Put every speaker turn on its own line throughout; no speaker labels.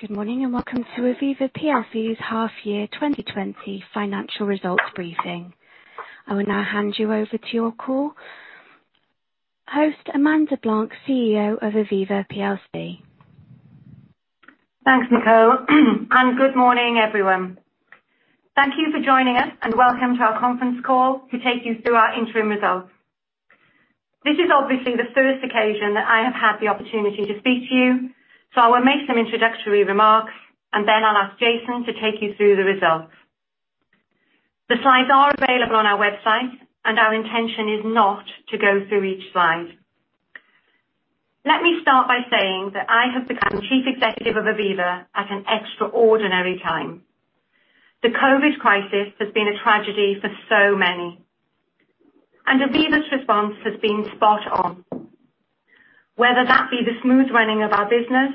Good morning, and Welcome to Aviva PLC's Half Year 2020 Financial Results Briefing. I will now hand you over to your call host, Amanda Blanc, CEO of Aviva PLC.
Thanks, Nicole, and good morning, everyone. Thank you for joining us, and welcome to our conference call to take you through our interim results. This is obviously the first occasion that I have had the opportunity to speak to you, so I will make some introductory remarks, and then I'll ask Jason to take you through the results. The slides are available on our website, and our intention is not to go through each slide. Let me start by saying that I have become Chief Executive of Aviva at an extraordinary time. The COVID crisis has been a tragedy for so many, and Aviva's response has been spot on. Whether that be the smooth running of our business,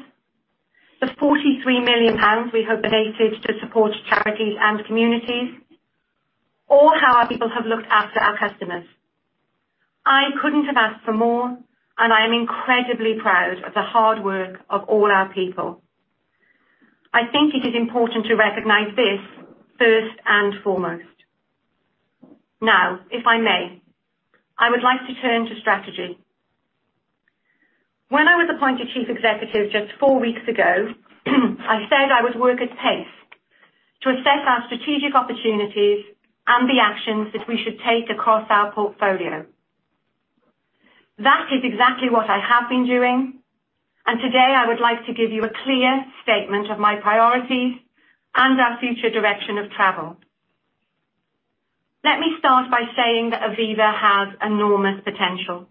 the GBP 43 million we have donated to support charities and communities, or how our people have looked after our customers, I couldn't have asked for more, and I am incredibly proud of the hard work of all our people. I think it is important to recognize this first and foremost. Now, if I may, I would like to turn to strategy. When I was appointed Chief Executive just four weeks ago, I said I would work at pace to assess our strategic opportunities and the actions that we should take across our portfolio. That is exactly what I have been doing, and today I would like to give you a clear statement of my priorities and our future direction of travel. Let me start by saying that Aviva has enormous potential.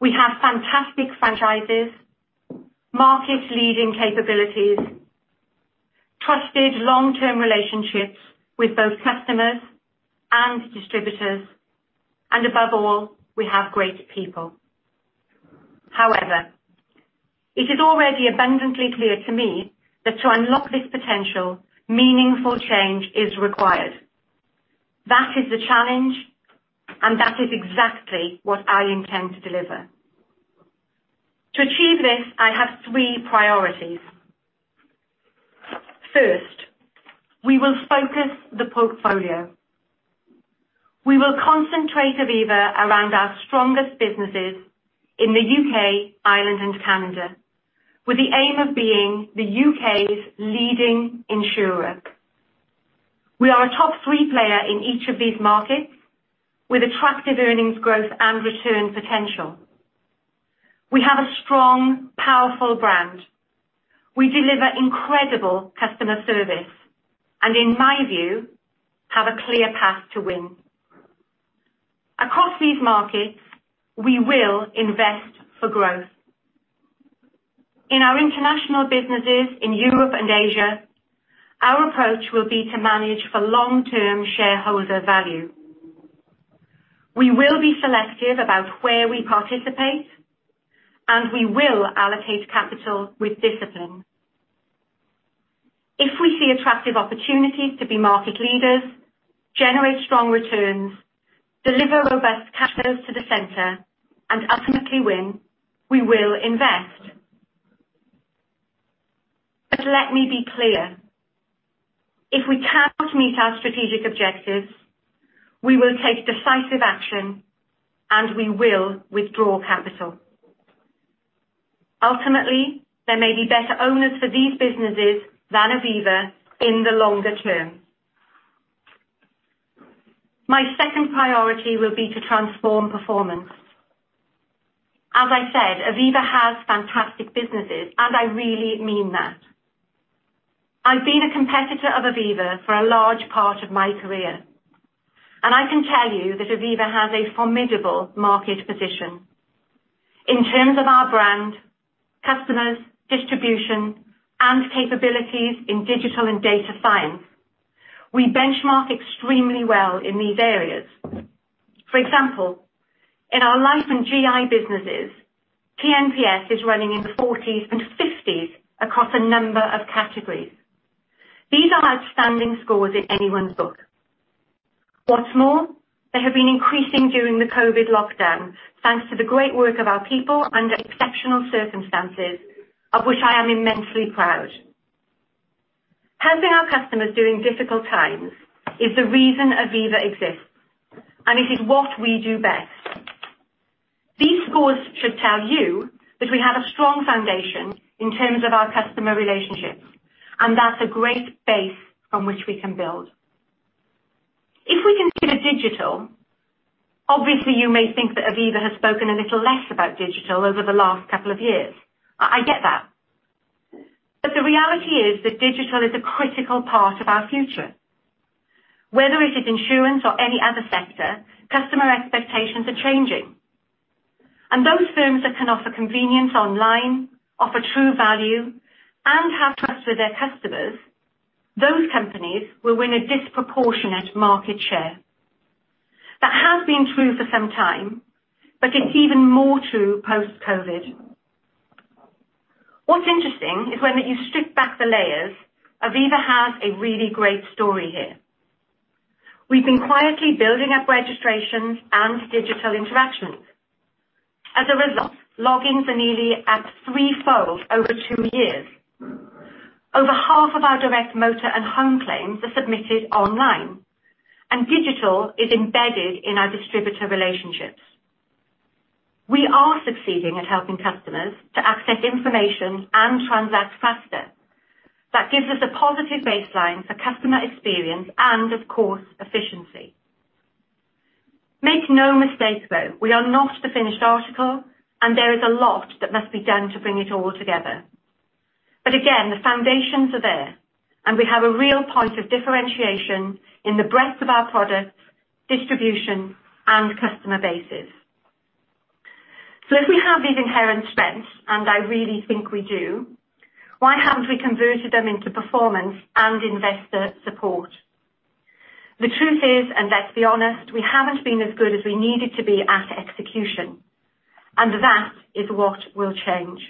We have fantastic franchises, market-leading capabilities, trusted long-term relationships with both customers and distributors, and above all, we have great people. However, it is already abundantly clear to me that to unlock this potential, meaningful change is required. That is the challenge, and that is exactly what I intend to deliver. To achieve this, I have three priorities. First, we will focus the portfolio. We will concentrate Aviva around our strongest businesses in the UK, Ireland, and Canada, with the aim of being the UK's leading insurer. We are a top three player in each of these markets, with attractive earnings growth and return potential. We have a strong, powerful brand. We deliver incredible customer service and, in my view, have a clear path to win. Across these markets, we will invest for growth. In our international businesses in Europe and Asia, our approach will be to manage for long-term shareholder value. We will be selective about where we participate, and we will allocate capital with discipline. If we see attractive opportunities to be market leaders, generate strong returns, deliver robust cash flows to the center, and ultimately win, we will invest. But let me be clear, if we cannot meet our strategic objectives, we will take decisive action, and we will withdraw capital. Ultimately, there may be better owners for these businesses than Aviva in the longer term. My second priority will be to transform performance. As I said, Aviva has fantastic businesses, and I really mean that. I've been a competitor of Aviva for a large part of my career, and I can tell you that Aviva has a formidable market position. In terms of our brand, customers, distribution, and capabilities in digital and data science, we benchmark extremely well in these areas. For example, in our Life and GI businesses, TNPS is running in the 40s and 50s across a number of categories. These are outstanding scores in anyone's book. What's more, they have been increasing during the COVID lockdown, thanks to the great work of our people under exceptional circumstances, of which I am immensely proud. Helping our customers during difficult times is the reason Aviva exists, and it is what we do best. These scores should tell you that we have a strong foundation in terms of our customer relationships, and that's a great base from which we can build. If we consider digital, obviously, you may think that Aviva has spoken a little less about digital over the last couple of years. I, I get that, but the reality is that digital is a critical part of our future. Whether it is insurance or any other sector, customer expectations are changing, and those firms that can offer convenience online, offer true value, and have trust with their customers, those companies will win a disproportionate market share. That has been true for some time, but it's even more true post-COVID. What's interesting is when you strip back the layers, Aviva has a really great story here. We've been quietly building up registrations and digital interactions. As a result, logins are nearly at threefold over two years. Over half of our direct motor and home claims are submitted online, and digital is embedded in our distributor relationships. We are succeeding at helping customers to access information and transact faster. That gives us a positive baseline for customer experience and, of course, efficiency. Make no mistake, though, we are not the finished article, and there is a lot that must be done to bring it all together. But again, the foundations are there, and we have a real point of differentiation in the breadth of our products, distribution, and customer bases. So if we have these inherent strengths, and I really think we do, why haven't we converted them into performance and investor support? The truth is, and let's be honest, we haven't been as good as we needed to be at execution, and that is what will change.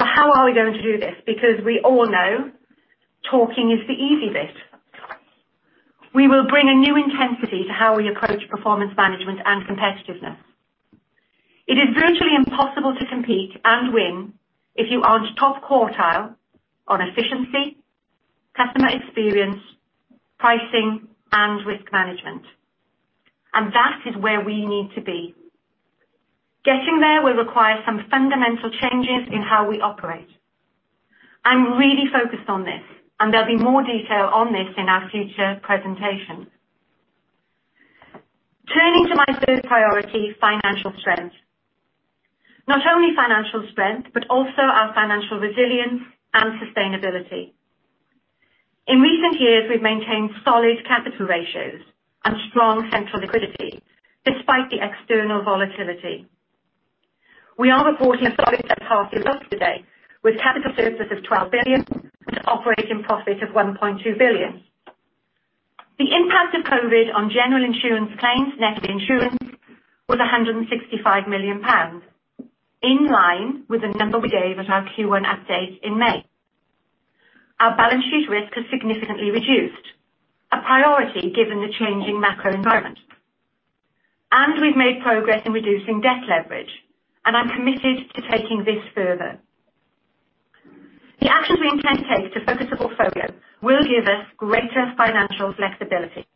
So how are we going to do this? Because we all know talking is the easy bit. We will bring a new intensity to how we approach performance management and competitiveness. It is virtually impossible to compete and win if you aren't top quartile on efficiency, customer experience, pricing, and risk management. And that is where we need to be. Getting there will require some fundamental changes in how we operate. I'm really focused on this, and there'll be more detail on this in our future presentations. Turning to my third priority, financial strength. Not only financial strength, but also our financial resilience and sustainability. In recent years, we've maintained solid capital ratios and strong central liquidity, despite the external volatility. We are reporting a solid half year look today, with capital surplus of 12 billion and operating profit of 1.2 billion. The impact of COVID on general insurance claims net of insurance was 165 million pounds, in line with the number we gave at our Q1 update in May. Our balance sheet risk has significantly reduced, a priority given the changing macro environment, and we've made progress in reducing debt leverage, and I'm committed to taking this further. The actions we intend to take to focus the portfolio will give us greater financial flexibility.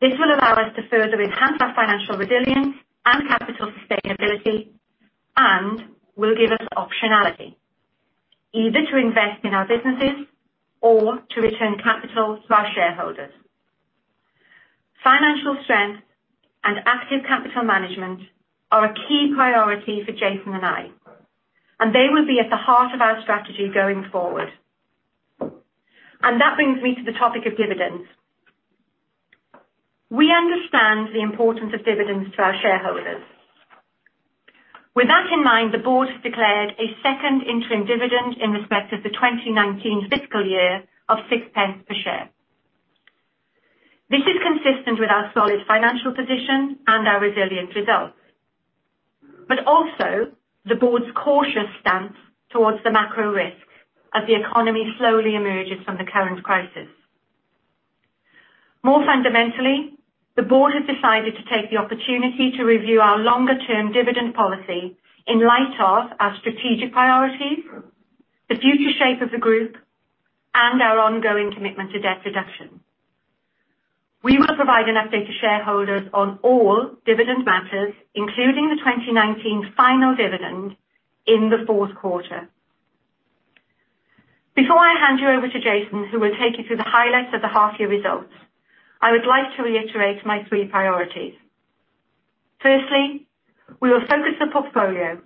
This will allow us to further enhance our financial resilience and capital sustainability and will give us optionality, either to invest in our businesses or to return capital to our shareholders. Financial strength and active capital management are a key priority for Jason and I, and they will be at the heart of our strategy going forward. That brings me to the topic of dividends. We understand the importance of dividends to our shareholders. With that in mind, the board has declared a second interim dividend in respect of the 2019 fiscal year of 0.06 per share. This is consistent with our solid financial position and our resilient results, but also the board's cautious stance towards the macro risk as the economy slowly emerges from the current crisis. More fundamentally, the board has decided to take the opportunity to review our longer-term dividend policy in light of our strategic priorities, the future shape of the group, and our ongoing commitment to debt reduction. We will provide an update to shareholders on all dividend matters, including the 2019 final dividend, in the fourth quarter. Before I hand you over to Jason, who will take you through the highlights of the half year results, I would like to reiterate my three priorities. Firstly, we will focus the portfolio,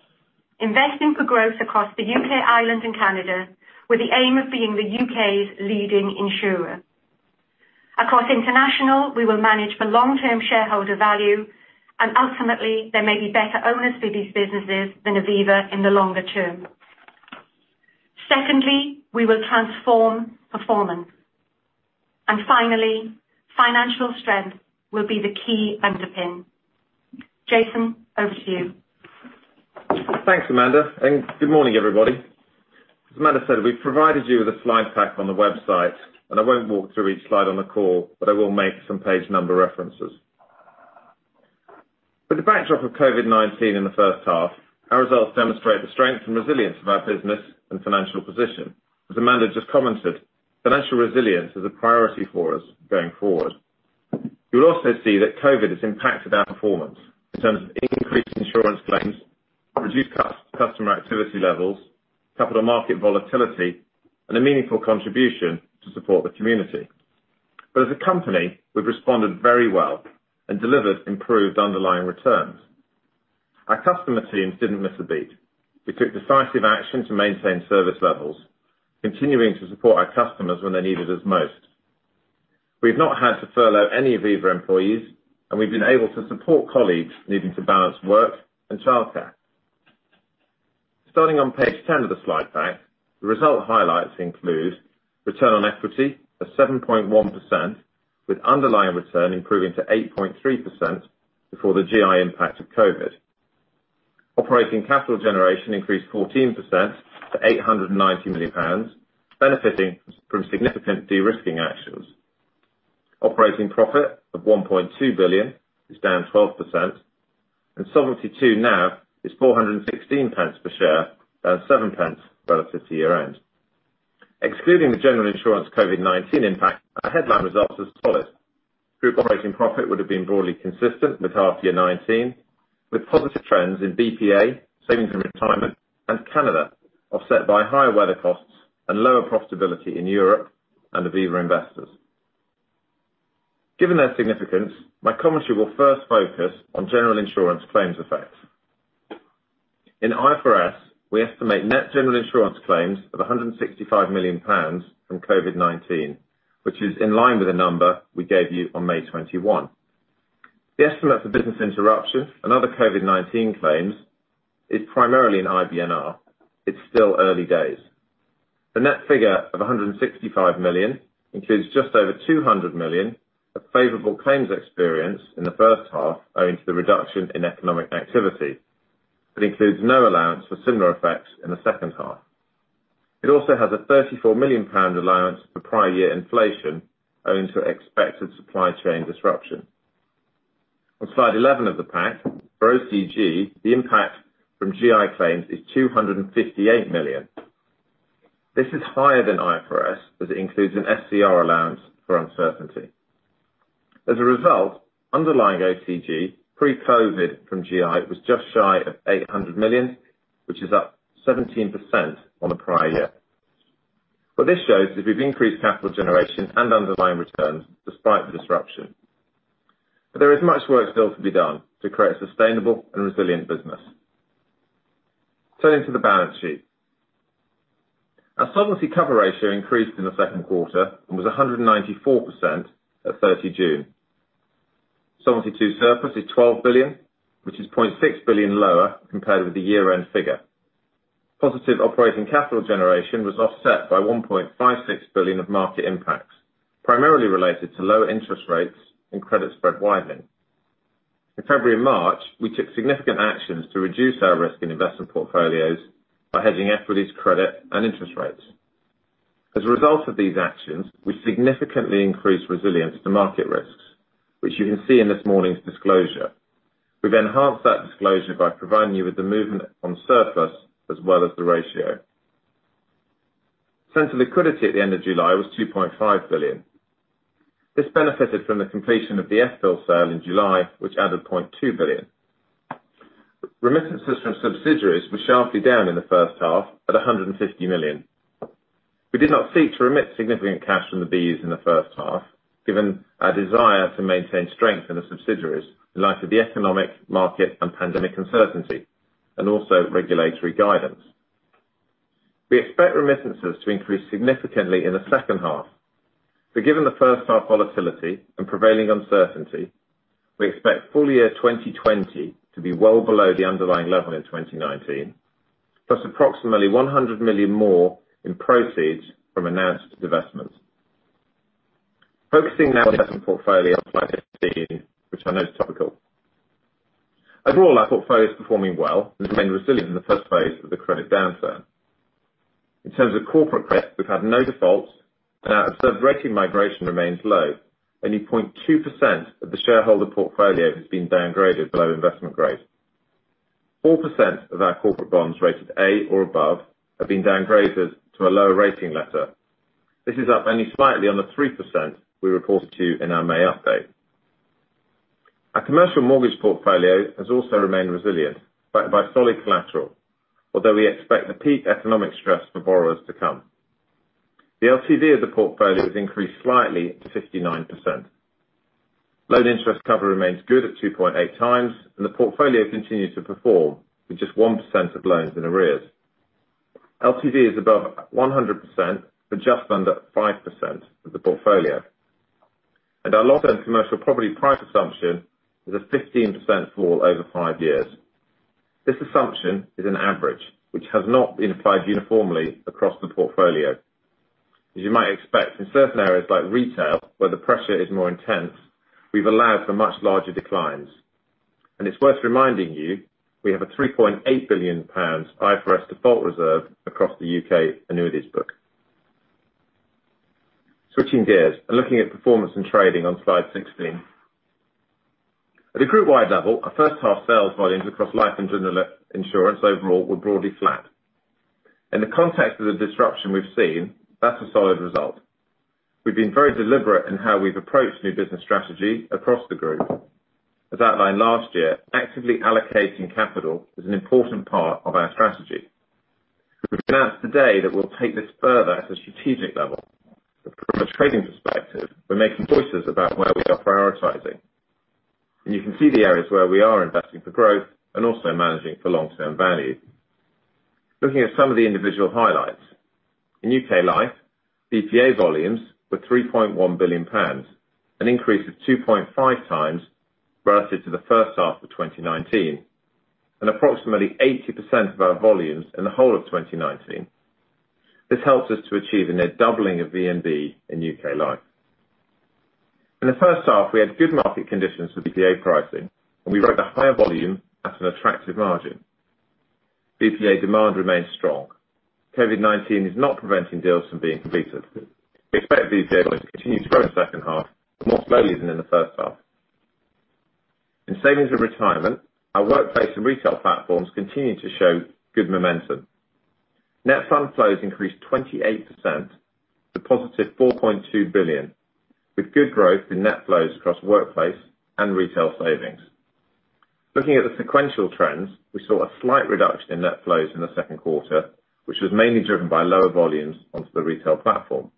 investing for growth across the UK, Ireland, and Canada with the aim of being the UK's leading insurer. Across international, we will manage for long-term shareholder value, and ultimately, there may be better owners for these businesses than Aviva in the longer term. Secondly, we will transform performance. And finally, financial strength will be the key underpin. Jason, over to you.
Thanks, Amanda, and good morning, everybody. As Amanda said, we've provided you with a slide pack on the website, and I won't walk through each slide on the call, but I will make some page number references. With the backdrop of COVID-19 in the first half, our results demonstrate the strength and resilience of our business and financial position. As Amanda just commented, financial resilience is a priority for us going forward. You'll also see that COVID has impacted our performance in terms of increased insurance claims, reduced customer activity levels, capital market volatility, and a meaningful contribution to support the community. But as a company, we've responded very well and delivered improved underlying returns. Our customer teams didn't miss a beat. We took decisive action to maintain service levels, continuing to support our customers when they needed us most. We've not had to furlough any Aviva employees, and we've been able to support colleagues needing to balance work and childcare. Starting on page 10 of the slide pack, the result highlights include return on equity of 7.1%, with underlying return improving to 8.3% before the GI impact of COVID-19. Operating capital generation increased 14% to 890 million pounds, benefiting from significant de-risking actions. Operating profit of 1.2 billion is down 12%, and Solvency II NAV is 0.416 per share, down 0.7 relative to year-end. Excluding the general insurance COVID-19 impact, our headline results are solid. Group operating profit would have been broadly consistent with half year 2019, with positive trends in BPA, savings and retirement, and Canada, offset by higher weather costs and lower profitability in Europe and the Aviva Investors. Given their significance, my commentary will first focus on general insurance claims effects. In IFRS, we estimate net general insurance claims of 165 million pounds from COVID-19, which is in line with the number we gave you on May 21. The estimate for business interruption and other COVID-19 claims is primarily in IBNR. It's still early days. The net figure of 165 million includes just over 200 million of favorable claims experience in the first half, owing to the reduction in economic activity. It includes no allowance for similar effects in the second half. It also has a GBP 34 million allowance for prior year inflation, owing to expected supply chain disruption. On slide 11 of the pack, for OCG, the impact from GI claims is 258 million. This is higher than IFRS, as it includes an SCR allowance for uncertainty. As a result, underlying OCG, pre-COVID from GI, was just shy of 800 million, which is up 17% on the prior year. What this shows is we've increased capital generation and underlying returns despite the disruption, but there is much work still to be done to create a sustainable and resilient business. Turning to the balance sheet. Our solvency cover ratio increased in the second quarter and was 194% at June 30. Solvency II surplus is 12 billion, which is 0.6 billion lower compared with the year-end figure. Positive operating capital generation was offset by 1.56 billion of market impacts, primarily related to low interest rates and credit spread widening. In February and March, we took significant actions to reduce our risk in investment portfolios by hedging equities, credit, and interest rates. As a result of these actions, we significantly increased resilience to market risks, which you can see in this morning's disclosure. We've enhanced that disclosure by providing you with the movement on surplus as well as the ratio. Central liquidity at the end of July was 2.5 billion. This benefited from the completion of the FPI sale in July, which added 0.2 billion. Remittances from subsidiaries were sharply down in the first half, at 150 million. We did not seek to remit significant cash from the BUs in the first half, given our desire to maintain strength in the subsidiaries in light of the economic, market, and pandemic uncertainty, and also regulatory guidance. We expect remittances to increase significantly in the second half, but given the first half volatility and prevailing uncertainty, we expect full-year 2020 to be well below the underlying level in 2019, plus approximately 100 million more in proceeds from announced divestments. Focusing now on the asset portfolio, which I know is topical. Overall, our portfolio is performing well and remained resilient in the first phase of the credit downturn. In terms of corporate credit, we've had no defaults, and our observed rating migration remains low. Only 0.2% of the shareholder portfolio has been downgraded below investment grade. 4% of our corporate bonds rated A or above have been downgraded to a lower rating letter. This is up only slightly on the 3% we reported to you in our May update. Our commercial mortgage portfolio has also remained resilient, backed by solid collateral, although we expect the peak economic stress from borrowers to come. The LTV of the portfolio has increased slightly to 59%. Loan interest cover remains good at 2.8x, and the portfolio continues to perform, with just 1% of loans in arrears. LTV is above 100% for just under 5% of the portfolio, and our long-term commercial property price assumption is a 15% fall over five years. This assumption is an average, which has not been applied uniformly across the portfolio. As you might expect, in certain areas like retail, where the pressure is more intense, we've allowed for much larger declines. It's worth reminding you, we have a 3.8 billion pounds IFRS default reserve across the UK annuities book. Switching gears and looking at performance and trading on slide 16. At a group-wide level, our first half sales volumes across life and general insurance overall were broadly flat. In the context of the disruption we've seen, that's a solid result. We've been very deliberate in how we've approached new business strategy across the group. As outlined last year, actively allocating capital is an important part of our strategy. We've announced today that we'll take this further at the strategic level. From a trading perspective, we're making choices about where we are prioritizing. And you can see the areas where we are investing for growth and also managing for long-term value. Looking at some of the individual highlights. In UK Life, BPA volumes were 3.1 billion pounds, an increase of 2.5x relative to the first half of 2019, and approximately 80% of our volumes in the whole of 2019. This helps us to achieve a net doubling of VNB in UK Life.... In the first half, we had good market conditions for BPA pricing, and we wrote a higher volume at an attractive margin. BPA demand remains strong. COVID-19 is not preventing deals from being completed. We expect these volumes to continue to grow in the second half, but more slowly than in the first half. In savings and retirement, our workplace and retail platforms continue to show good momentum. Net fund flows increased 28% to positive 4.2 billion, with good growth in net flows across workplace and retail savings. Looking at the sequential trends, we saw a slight reduction in net flows in the second quarter, which was mainly driven by lower volumes onto the retail platform.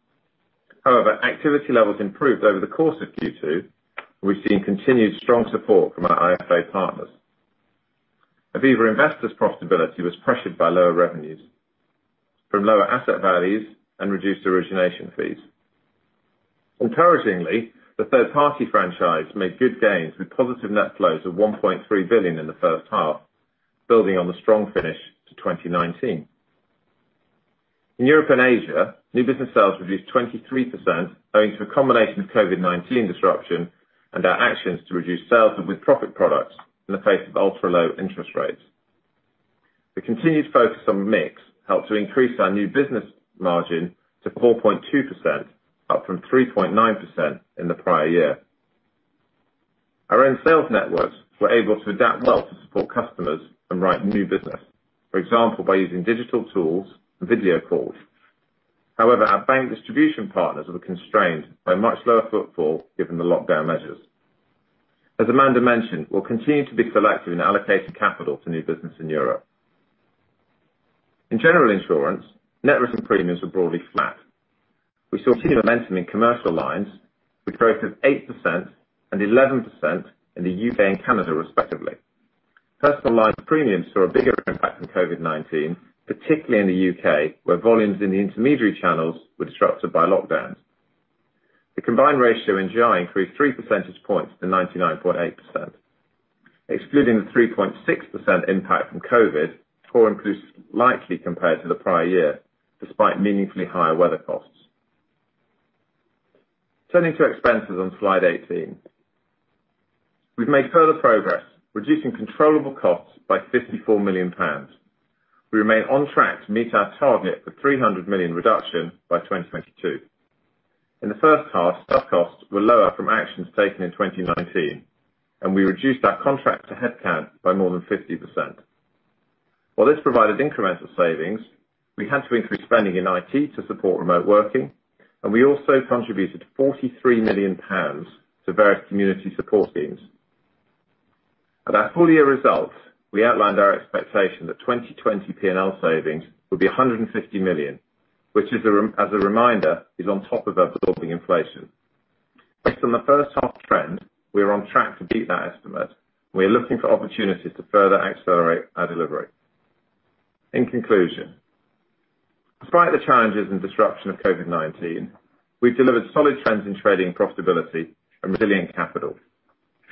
However, activity levels improved over the course of Q2, and we've seen continued strong support from our IFA partners. Aviva Investors' profitability was pressured by lower revenues from lower asset values and reduced origination fees. Encouragingly, the third party franchise made good gains, with positive net flows of 1.3 billion in the first half, building on the strong finish to 2019. In Europe and Asia, new business sales reduced 23%, owing to a combination of COVID-19 disruption and our actions to reduce sales of with-profit products in the face of ultra-low interest rates. The continued focus on mix helped to increase our new business margin to 4.2%, up from 3.9% in the prior year. Our own sales networks were able to adapt well to support customers and write new business, for example, by using digital tools and video calls. However, our bank distribution partners were constrained by much lower footfall, given the lockdown measures. As Amanda mentioned, we'll continue to be selective in allocating capital to new business in Europe. In general insurance, net written premiums were broadly flat. We saw key momentum in commercial lines, with growth of 8% and 11% in the UK and Canada, respectively, personal lines premiums saw a bigger impact from COVID-19, particularly in the UK, where volumes in the intermediary channels were disrupted by lockdowns. The combined ratio in GI increased three percentage points to 99.8%. Excluding the 3.6% impact from COVID, core increased slightly compared to the prior year, despite meaningfully higher weather costs. Turning to expenses on slide 18. We've made further progress, reducing controllable costs by 54 million pounds. We remain on track to meet our target for 300 million reduction by 2022. In the first half, staff costs were lower from actions taken in 2019, and we reduced our contractor headcount by more than 50%. While this provided incremental savings, we had to increase spending in IT to support remote working, and we also contributed 43 million pounds to various community support teams. At our full-year results, we outlined our expectation that 2020 P&L savings would be 150 million, which is, as a reminder, on top of absorbing inflation. Based on the first half trend, we are on track to beat that estimate, and we are looking for opportunities to further accelerate our delivery. In conclusion, despite the challenges and disruption of COVID-19, we've delivered solid trends in trading and profitability and resilient capital.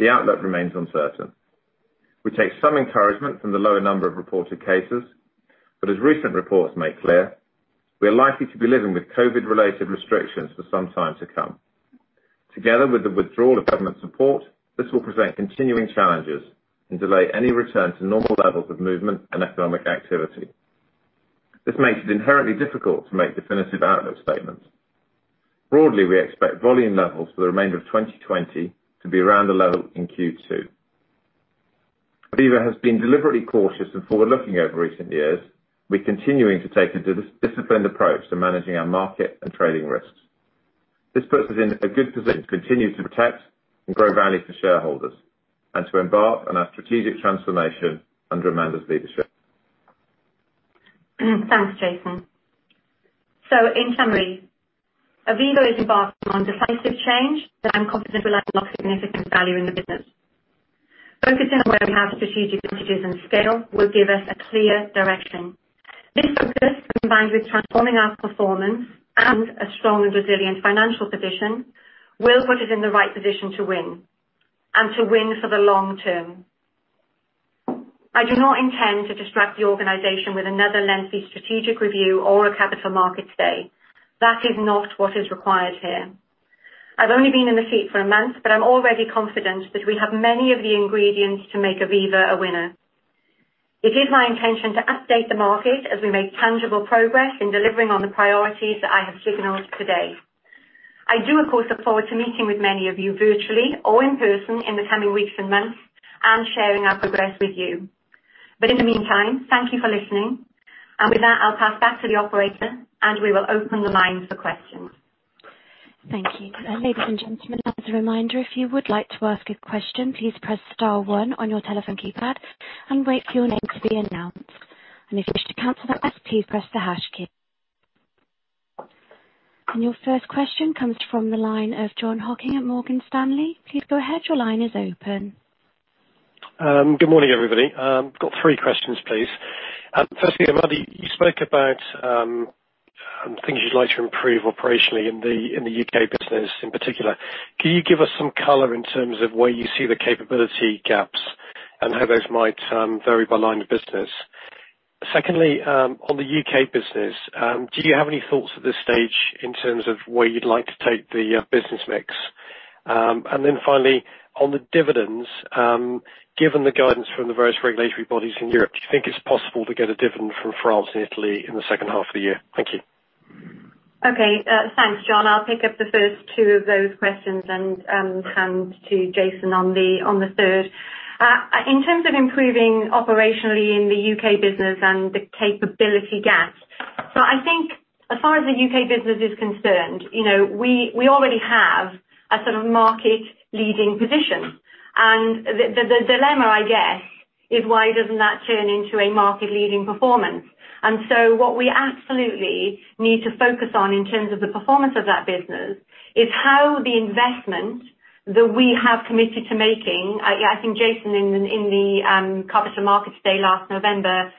The outlook remains uncertain. We take some encouragement from the lower number of reported cases, but as recent reports make clear, we are likely to be living with COVID-related restrictions for some time to come. Together with the withdrawal of government support, this will present continuing challenges and delay any return to normal levels of movement and economic activity. This makes it inherently difficult to make definitive outlook statements. Broadly, we expect volume levels for the remainder of 2020 to be around the level in Q2. Aviva has been deliberately cautious and forward-looking over recent years. We're continuing to take a disciplined approach to managing our market and trading risks. This puts us in a good position to continue to protect and grow value for shareholders and to embark on our strategic transformation under Amanda's leadership.
Thanks, Jason. So in summary, Aviva is embarking on decisive change, and I'm confident we'll unlock significant value in the business. Focusing on where we have strategic advantages and scale will give us a clear direction. This focus, combined with transforming our performance and a strong and resilient financial position, will put us in the right position to win, and to win for the long term. I do not intend to distract the organization with another lengthy strategic review or a Capital Markets Day. That is not what is required here. I've only been in the seat for a month, but I'm already confident that we have many of the ingredients to make Aviva a winner. It is my intention to update the market as we make tangible progress in delivering on the priorities that I have signaled today. I do, of course, look forward to meeting with many of you virtually or in person in the coming weeks and months, and sharing our progress with you. But in the meantime, thank you for listening, and with that, I'll pass back to the operator, and we will open the lines for questions.
Thank you. Ladies and gentlemen, as a reminder, if you would like to ask a question, please press star one on your telephone keypad and wait for your name to be announced. If you wish to cancel that, please press the hash key. Your first question comes from the line of Jon Hocking at Morgan Stanley. Please go ahead. Your line is open.
Good morning, everybody. Got three questions, please. Firstly, Amanda, you spoke about things you'd like to improve operationally in the UK business in particular. Can you give us some color in terms of where you see the capability gaps, and how those might vary by line of business? Secondly, on the UK business, do you have any thoughts at this stage in terms of where you'd like to take the business mix? And then finally, on the dividends, given the guidance from the various regulatory bodies in Europe, do you think it's possible to get a dividend from France and Italy in the second half of the year? Thank you.
Okay. Thanks, Jon. I'll pick up the first two of those questions and hand to Jason on the third. In terms of improving operationally in the UK business and the capability gap, so I think as far as the UK business is concerned, you know, we already have a sort of market leading position. And the dilemma, I guess, is why doesn't that turn into a market leading performance? And so what we absolutely need to focus on in terms of the performance of that business, is how the investment that we have committed to making... I think Jason, in the Capital Markets Day, last November,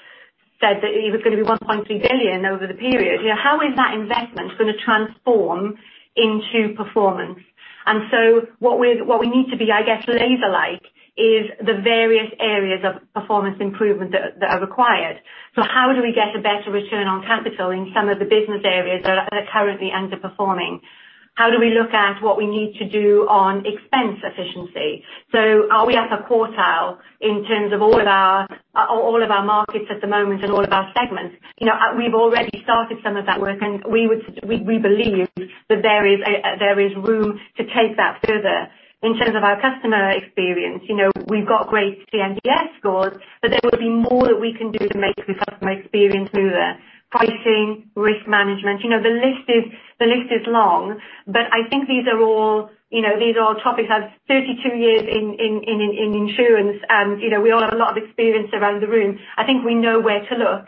said that it was going to be 1.3 billion over the period. Yeah, how is that investment going to transform into performance? And so, what we need to be, I guess, laser-like, is the various areas of performance improvement that are required. So how do we get a better return on capital in some of the business areas that are currently underperforming? How do we look at what we need to do on expense efficiency? So are we at the quartile in terms of all of our markets at the moment and all of our segments? You know, we've already started some of that work, and we believe that there is room to take that further. In terms of our customer experience, you know, we've got great TNPS scores, but there will be more that we can do to make the customer experience smoother. Pricing, risk management, you know, the list is long, but I think these are all topics. You know, these are all topics. I have 32 years in insurance, and, you know, we all have a lot of experience around the room. I think we know where to look.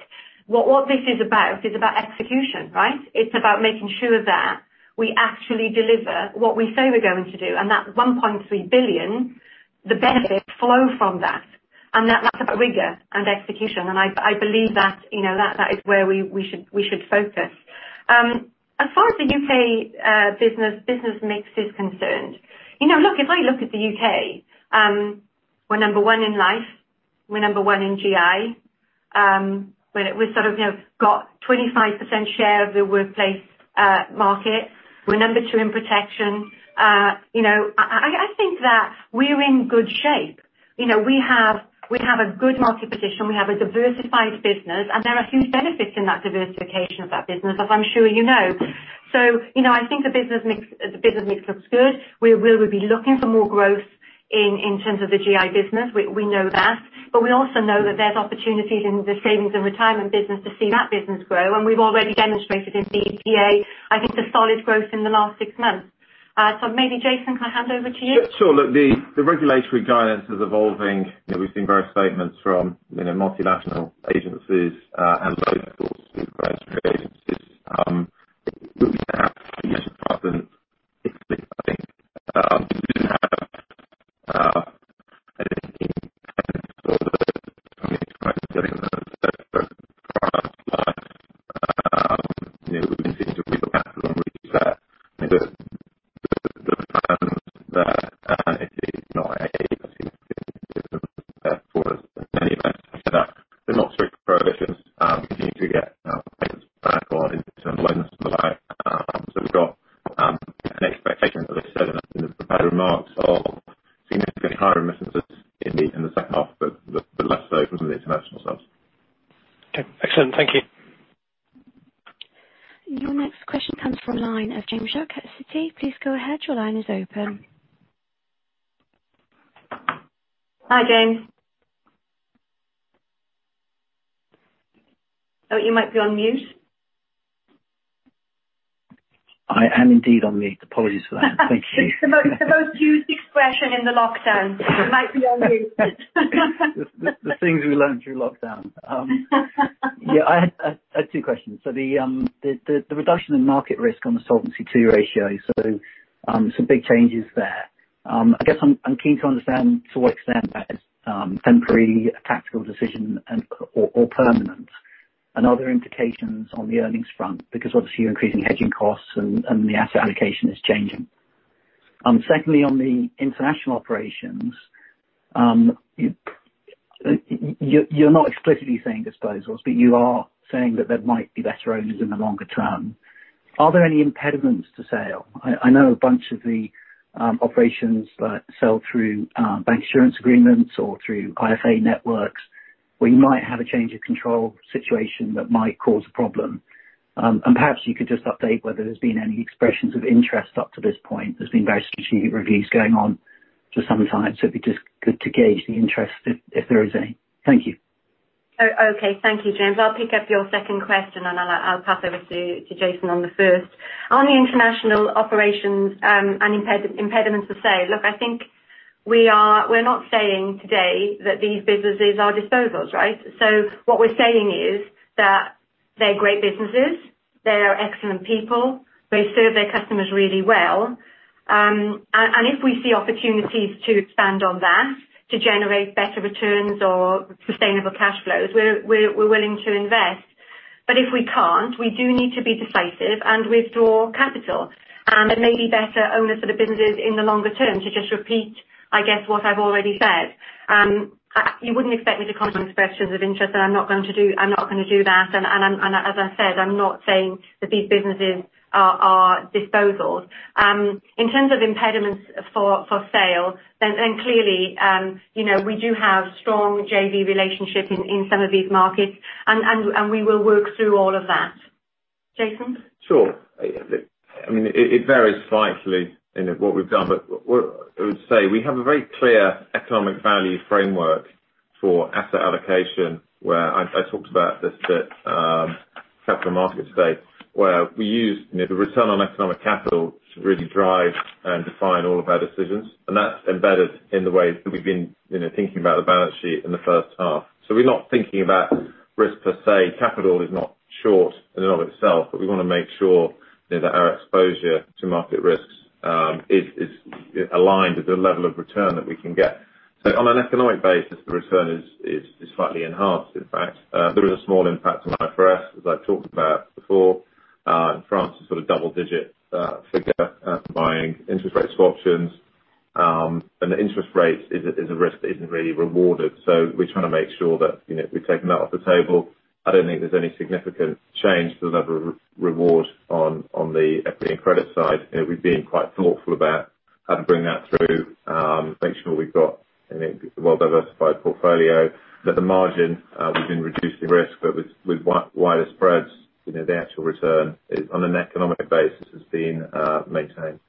What this is about is about execution, right? It's about making sure that we actually deliver what we say we're going to do, and that 1.3 billion, the benefits flow from that, and that lack of rigor and execution. And I believe that, you know, that is where we should focus. As far as the UK business mix is concerned, you know, look, if I look at the UK, we're number one in life, we're number one in GI, we're sort of, you know, got 25% share of the workplace market. We're number two in protection. You know, I think that we're in good shape. You know, we have a good market position, we have a diversified business, and there are huge benefits in that diversification of that business, as I'm sure you know. So, you know, I think the business mix looks good. We will be looking for more growth in terms of the GI business, we know that. But we also know that there's opportunities in the savings and retirement business to see that business grow, and we've already demonstrated in the BPA, I think, the solid growth in the last six months. Oh, you might be on mute.
I am indeed on mute. Apologies for that. Thank you.
It's the most, the most used expression in the lockdown. "You might be on mute.
The things we learned through lockdown. Yeah, I had two questions. So the reduction in market risk on the Solvency II ratio, so some big changes there. I guess I'm keen to understand to what extent that is temporary, a tactical decision, and or permanent. And are there implications on the earnings front? Because obviously, you're increasing hedging costs, and the asset allocation is changing. Secondly, on the international operations, you're not explicitly saying disposals, but you are saying that there might be better owners in the longer term. Are there any impediments to sale? I know a bunch of the operations that sell through bancassurance agreements or through IFA networks, where you might have a change of control situation that might cause a problem. And perhaps you could just update whether there's been any expressions of interest up to this point. There's been very strategic reviews going on for some time, so it'd be just good to gauge the interest if there is any. Thank you.
Oh, okay. Thank you, James. I'll pick up your second question, and I'll pass over to Jason on the first. On the international operations, and impediments to sale, look, I think we are... We're not saying today that these businesses are disposals, right? So what we're saying is that they're great businesses, they are excellent people, they serve their customers really well. And if we see opportunities to expand on that, to generate better returns or sustainable cash flows, we're willing to invest. But if we can't, we do need to be decisive and withdraw capital, and it may be better owners of the business in the longer term to just repeat, I guess, what I've already said. You wouldn't expect me to comment on expressions of interest, and I'm not going to do, I'm not gonna do that. And as I said, I'm not saying that these businesses are disposals. In terms of impediments for sale, then clearly, you know, we do have strong JV relationships in some of these markets, and we will work through all of that. Jason?
Sure. I mean, it varies slightly in what we've done, but what I would say, we have a very clear economic value framework for asset allocation, where I talked about this at Capital Markets Day today, where we use the return on economic capital to really drive and define all of our decisions. And that's embedded in the way that we've been, you know, thinking about the balance sheet in the first half. So we're not thinking about risk per se. Capital is not short in and of itself, but we want to make sure that our exposure to market risks is aligned with the level of return that we can get. So on an economic basis, the return is slightly enhanced, in fact. There is a small impact on IFRS, as I've talked about before, in France, a sort of double digit figure, buying interest rate options. And the interest rate is a risk that isn't really rewarded. So we're trying to make sure that, you know, we've taken that off the table. I don't think there's any significant change to the level of reward on the equity and credit side. You know, we've been quite thoughtful about how to bring that through, make sure we've got a well-diversified portfolio. But the margin, we've been reducing risk, but with wider spreads, you know, the actual return is, on an economic basis, has been maintained.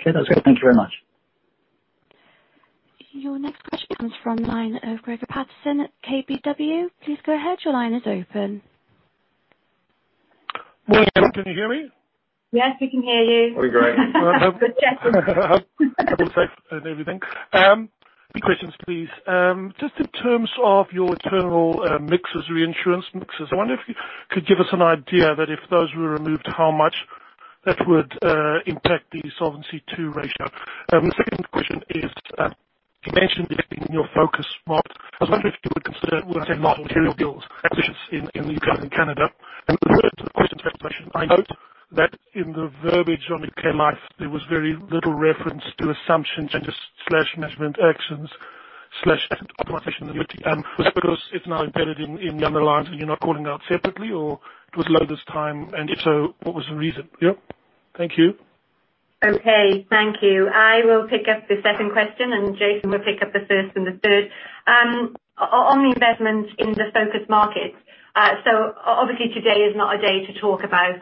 Okay, that's great. Thank you very much.
Your next question comes from the line of Greig Paterson at KBW. Please go ahead. Your line is open.
Well, can you hear me?
Yes, we can hear you.
We're great....
and everything. Two questions, please. Just in terms of your internal mixers, reinsurance mixers, I wonder if you could give us an idea that if those were removed, how much that would impact the Solvency II ratio? The second question is, you mentioned investing in your focus market. I was wondering if you would consider-
Not material.
Acquisitions in the UK and Canada. And the third question, I note that in the verbiage on UK Life, there was very little reference to assumption changes slash management actions slash optimization annuity. Was that because it's now embedded in the underlying, so you're not calling it out separately, or it was low this time? And if so, what was the reason? Yep. Thank you.
Okay, thank you. I will pick up the second question, and Jason will pick up the first and the third. On the investment in the focus markets, so obviously, today is not a day to talk about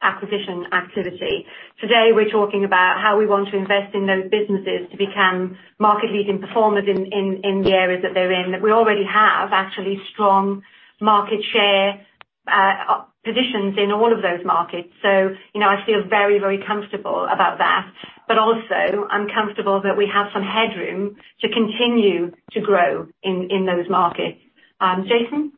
acquisition activity. Today, we're talking about how we want to invest in those businesses to become market-leading performers in the areas that they're in, that we already have, actually, strong market share positions in all of those markets. So, you know, I feel very, very comfortable about that. But also, I'm comfortable that we have some headroom to continue to grow in those markets. Jason?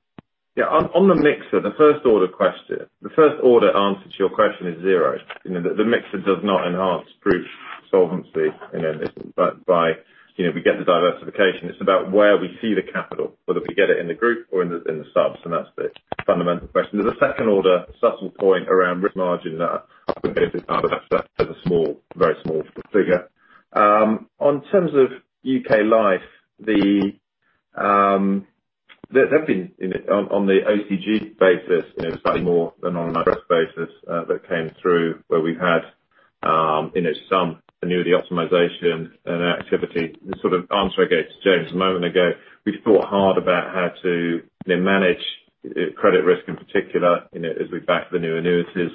Yeah, on the mixer, the first order question... The first order answer to your question is zero. You know, the mixer does not enhance proof solvency, but by... You know, we get the diversification. It's about where we see the capital, whether we get it in the group or in the subs, and that's the fundamental question. There's a second order, subtle point around risk margin that I wouldn't be able to talk about that. That's a small, very small figure. In terms of UK Life, there've been, you know, on the OCG basis, you know, slightly more than on an IFRS basis, that came through where we've had, you know, some annuity optimization and activity. The sort of answer I gave to James a moment ago, we've thought hard about how to, you know, manage, credit risk in particular, you know, as we back the new annuities.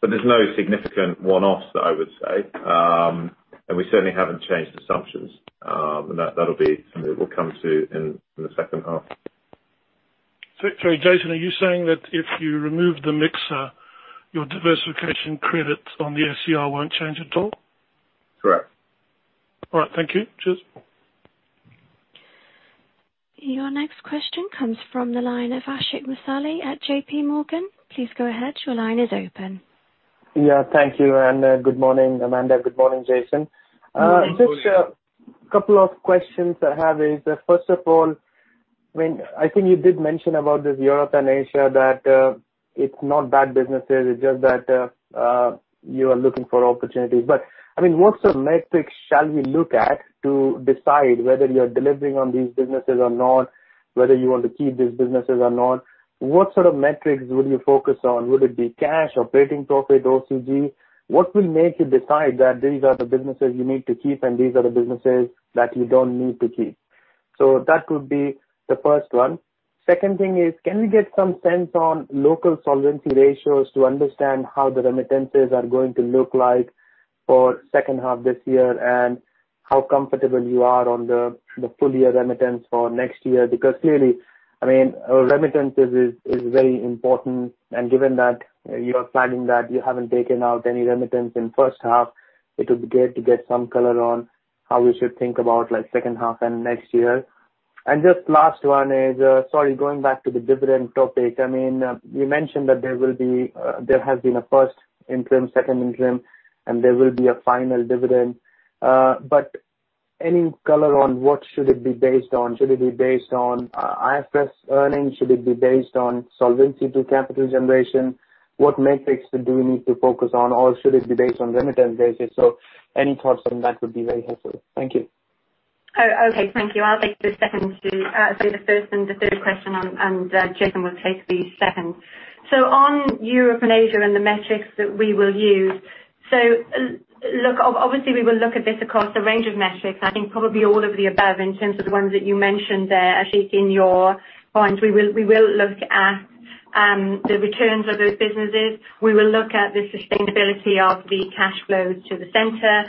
But there's no significant one-offs that I would say. And we certainly haven't changed assumptions. And that, that'll be something we'll come to in the second half.
Sorry, Jason, are you saying that if you remove the mixer, your diversification credits on the SCR won't change at all?
Correct.
All right. Thank you. Cheers.
Your next question comes from the line of Ashik Musaddi at JPMorgan. Please go ahead. Your line is open.
Yeah, thank you, and good morning, Amanda. Good morning, Jason.
Good morning.
Just a couple of questions I have is, first of all, I mean, I think you did mention about this Europe and Asia, that, it's not bad businesses, it's just that, you are looking for opportunities. But, I mean, what sort of metrics shall we look at to decide whether you are delivering on these businesses or not, whether you want to keep these businesses or not? What sort of metrics would you focus on? Would it be cash or operating profit, OCG? What will make you decide that these are the businesses you need to keep, and these are the businesses that you don't need to keep? So that would be the first one. Second thing is, can we get some sense on local solvency ratios to understand how the remittances are going to look like for second half this year, and how comfortable you are on the full-year remittance for next year? Because clearly, I mean, remittances is very important, and given that you are planning that, you haven't taken out any remittance in first half, it would be great to get some color on how we should think about, like, second half and next year. And just last one is, sorry, going back to the dividend topic. I mean, you mentioned that there will be, there has been a first interim, second interim, and there will be a final dividend, but any color on what should it be based on? Should it be based on IFRS earnings? Should it be based on Solvency II capital generation? What metrics do we need to focus on, or should it be based on IFRS basis? So any thoughts on that would be very helpful. Thank you.
Oh, okay, thank you. I'll take the second to, so the first and the third question, and, and, Jason will take the second. So on Europe and Asia and the metrics that we will use, so look, obviously, we will look at this across a range of metrics, I think probably all of the above, in terms of the ones that you mentioned there, Ashik, in your points. We will, we will look at, the returns of those businesses. We will look at the sustainability of the cash flows to the center.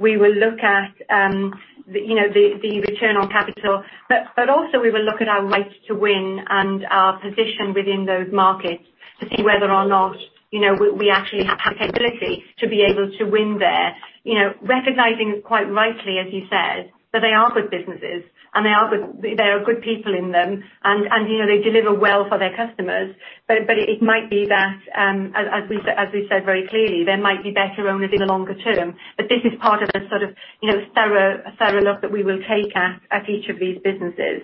We will look at, the, you know, the, the return on capital. But, but also, we will look at our rates to win and our position within those markets to see whether or not, you know, we, we actually have the capability to be able to win there. You know, recognizing quite rightly, as you said, that they are good businesses, and they are good, there are good people in them, and, you know, they deliver well for their customers. But it might be that, as we said very clearly, there might be better owners in the longer term. But this is part of a sort of, you know, thorough look that we will take at each of these businesses.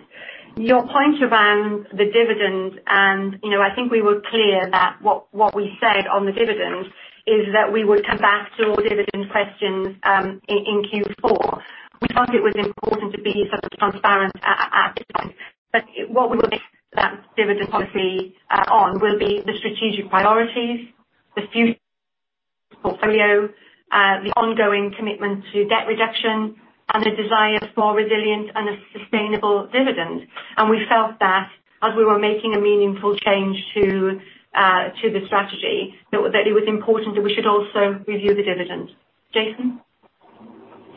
Your point around the dividend, and, you know, I think we were clear that what we said on the dividend is that we would come back to all dividend questions in Q4. We thought it was important to be sort of transparent at this point. What we would base that dividend policy on will be the strategic priorities, the future portfolio, the ongoing commitment to debt reduction, and the desire for more resilient and a sustainable dividend. We felt that as we were making a meaningful change to the strategy, that it was important that we should also review the dividend. Jason?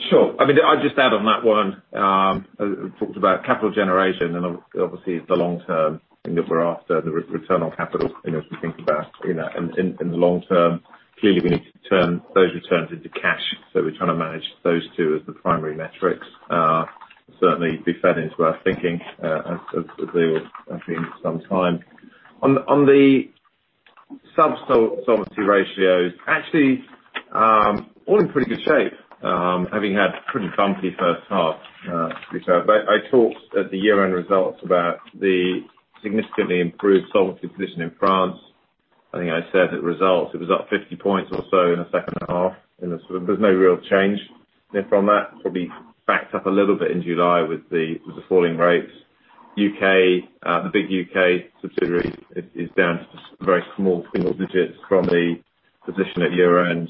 Sure. I mean, I'll just add on that one. We talked about capital generation, and obviously, it's the long term thing that we're after, the return on capital, you know, as we think about, you know, in the long term, clearly, we need to turn those returns into cash. So we're trying to manage those two as the primary metrics. Certainly, be fed into our thinking, as they have been for some time. On the solvency ratios, actually, all in pretty good shape, having had a pretty bumpy first half, yourself. But I talked at the year-end results about the significantly improved solvency position in France. I think I said the results, it was up 50 points or so in the second half, and there's no real change from that. Probably backed up a little bit in July with the, with the falling rates. UK, the big UK subsidiary is down to very small single digits from the position at year-end.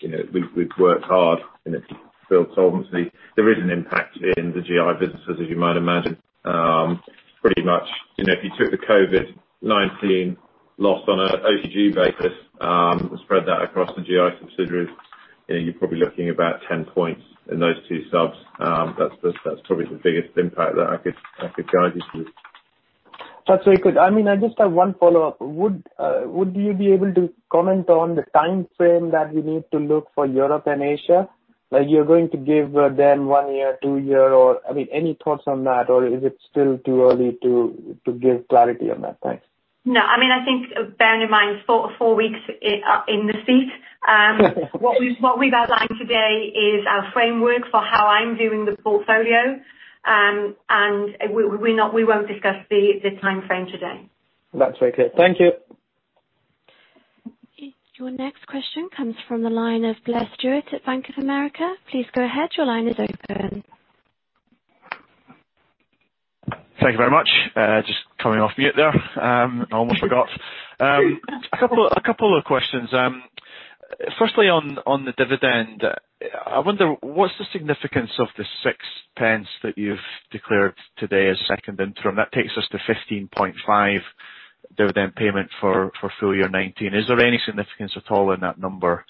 You know, we've worked hard, and it's built solvency. There is an impact in the GI businesses, as you might imagine. Pretty much, you know, if you took the COVID-19 loss on a OCG basis, and spread that across the GI subsidiaries, then you're probably looking about 10 points in those two subs. That's probably the biggest impact that I could guide you to.
That's very good. I mean, I just have one follow-up. Would you be able to comment on the timeframe that we need to look for Europe and Asia? Like, you're going to give them one year, two year, or... I mean, any thoughts on that, or is it still too early to give clarity on that? Thanks.
No, I mean, I think bearing in mind 4, 4 weeks in the seat... What we've outlined today is our framework for how I'm viewing the portfolio. And we're not-- we won't discuss the timeframe today.
That's very clear. Thank you.
Your next question comes from the line of Blair Stewart at Bank of America. Please go ahead. Your line is open.
Thank you very much. Just coming off mute there. I almost forgot. A couple of questions. Firstly, on the dividend, I wonder, what's the significance of the 0.06 that you've declared today as second interim? That takes us to 0.155 dividend payment for full-year 2019. Is there any significance at all in that number?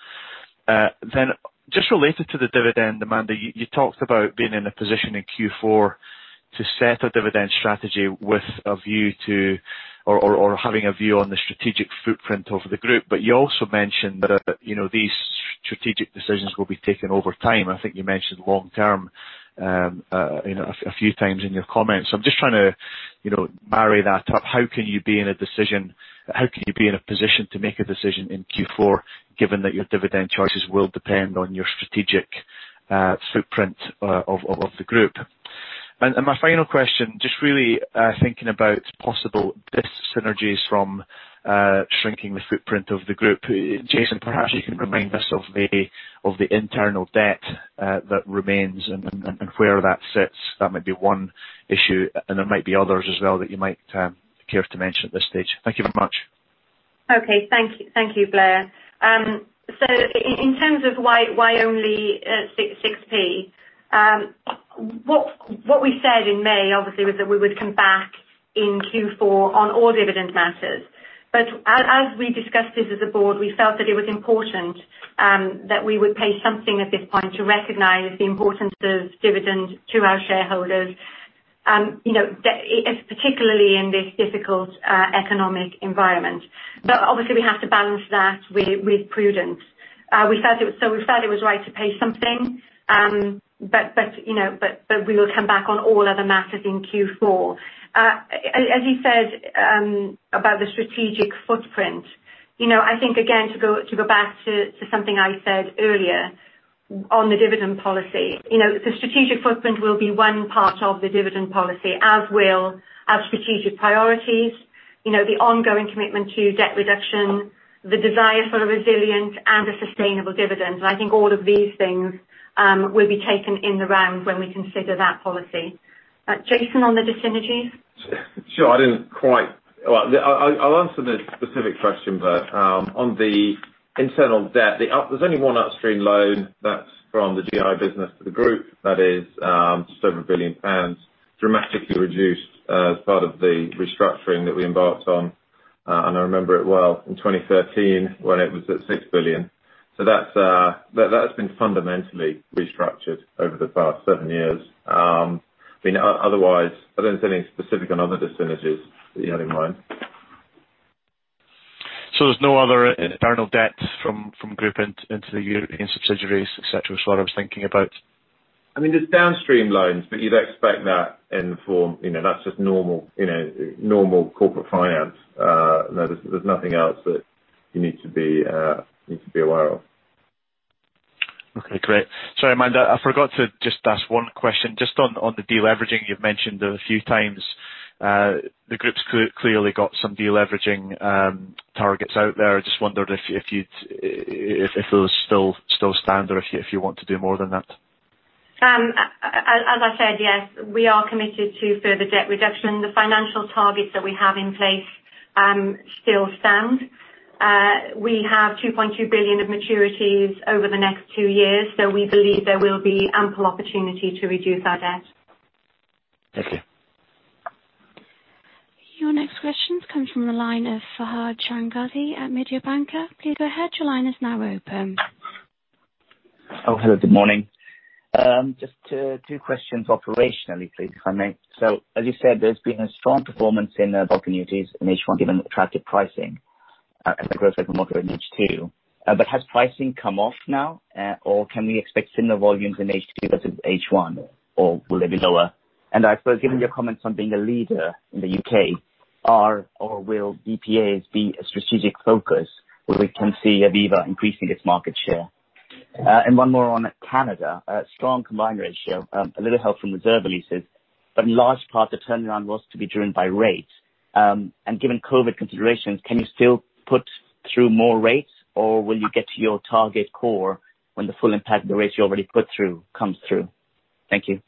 Then just related to the dividend, Amanda, you talked about being in a position in Q4 to set a dividend strategy with a view to or having a view on the strategic footprint of the group, but you also mentioned that, you know, these strategic decisions will be taken over time. I think you mentioned long term, you know, a few times in your comments. So I'm just trying to, you know, marry that up. How can you be in a position to make a decision in Q4, given that your dividend choices will depend on your strategic footprint of the group? And my final question, just really thinking about possible synergies from shrinking the footprint of the group. Jason, perhaps you can remind us of the internal debt that remains and where that sits. That might be one issue, and there might be others as well, that you might care to mention at this stage. Thank you very much.
Okay. Thank you, thank you, Blair. So in terms of why only 6p, what we said in May, obviously, was that we would come back in Q4 on all dividend matters. But as we discussed this as a board, we felt that it was important that we would pay something at this point to recognize the importance of dividend to our shareholders, you know, particularly in this difficult economic environment. But obviously, we have to balance that with prudence. We felt it was right to pay something, but you know, but we will come back on all other matters in Q4. As you said, about the strategic footprint-... You know, I think again, to go, to go back to, to something I said earlier on the dividend policy, you know, the strategic footprint will be one part of the dividend policy, as will our strategic priorities, you know, the ongoing commitment to debt reduction, the desire for a resilient and a sustainable dividend. And I think all of these things will be taken in the round when we consider that policy. Jason, on the dis-synergies?
Sure. Well, I'll answer the specific question, but on the internal debt, there's only one upstream loan that's from the GI business to the group, that is just over 1 billion pounds, dramatically reduced as part of the restructuring that we embarked on, and I remember it well, in 2013 when it was at 6 billion. So that's, that has been fundamentally restructured over the past 7 years. I mean, otherwise, I don't see anything specific on other dis-synergies that you had in mind.
There's no other internal debt from group into the European subsidiaries, et cetera, is what I was thinking about?
I mean, there's downstream loans, but you'd expect that in the form, you know, that's just normal, you know, normal corporate finance. No, there's nothing else that you need to be aware of.
Okay, great. Sorry, Amanda, I forgot to just ask one question. Just on the de-leveraging, you've mentioned a few times the group's clearly got some de-leveraging targets out there. I just wondered if you'd if those still stand, or if you want to do more than that?
As I said, yes, we are committed to further debt reduction. The financial targets that we have in place still stand. We have 2.2 billion of maturities over the next two years, so we believe there will be ample opportunity to reduce our debt.
Thank you.
Your next question comes from the line of Fahad Changazi at Mediobanca. Please go ahead, your line is now open.
Oh, hello, good morning. Just, two questions operationally, please, if I may. So, as you said, there's been a strong performance in opportunities in H1, given attractive pricing, and the growth moderate in H2. But has pricing come off now, or can we expect similar volumes in H2 versus H1, or will they be lower? And I suppose, given your comments on being a leader in the UK, are or will BPAs be a strategic focus, where we can see Aviva increasing its market share? And one more on Canada. A strong combined ratio, a little help from reserve releases, but in large part, the turnaround was to be driven by rates. Given COVID considerations, can you still put through more rates, or will you get to your target core when the full impact of the rates you already put through comes through? Thank you.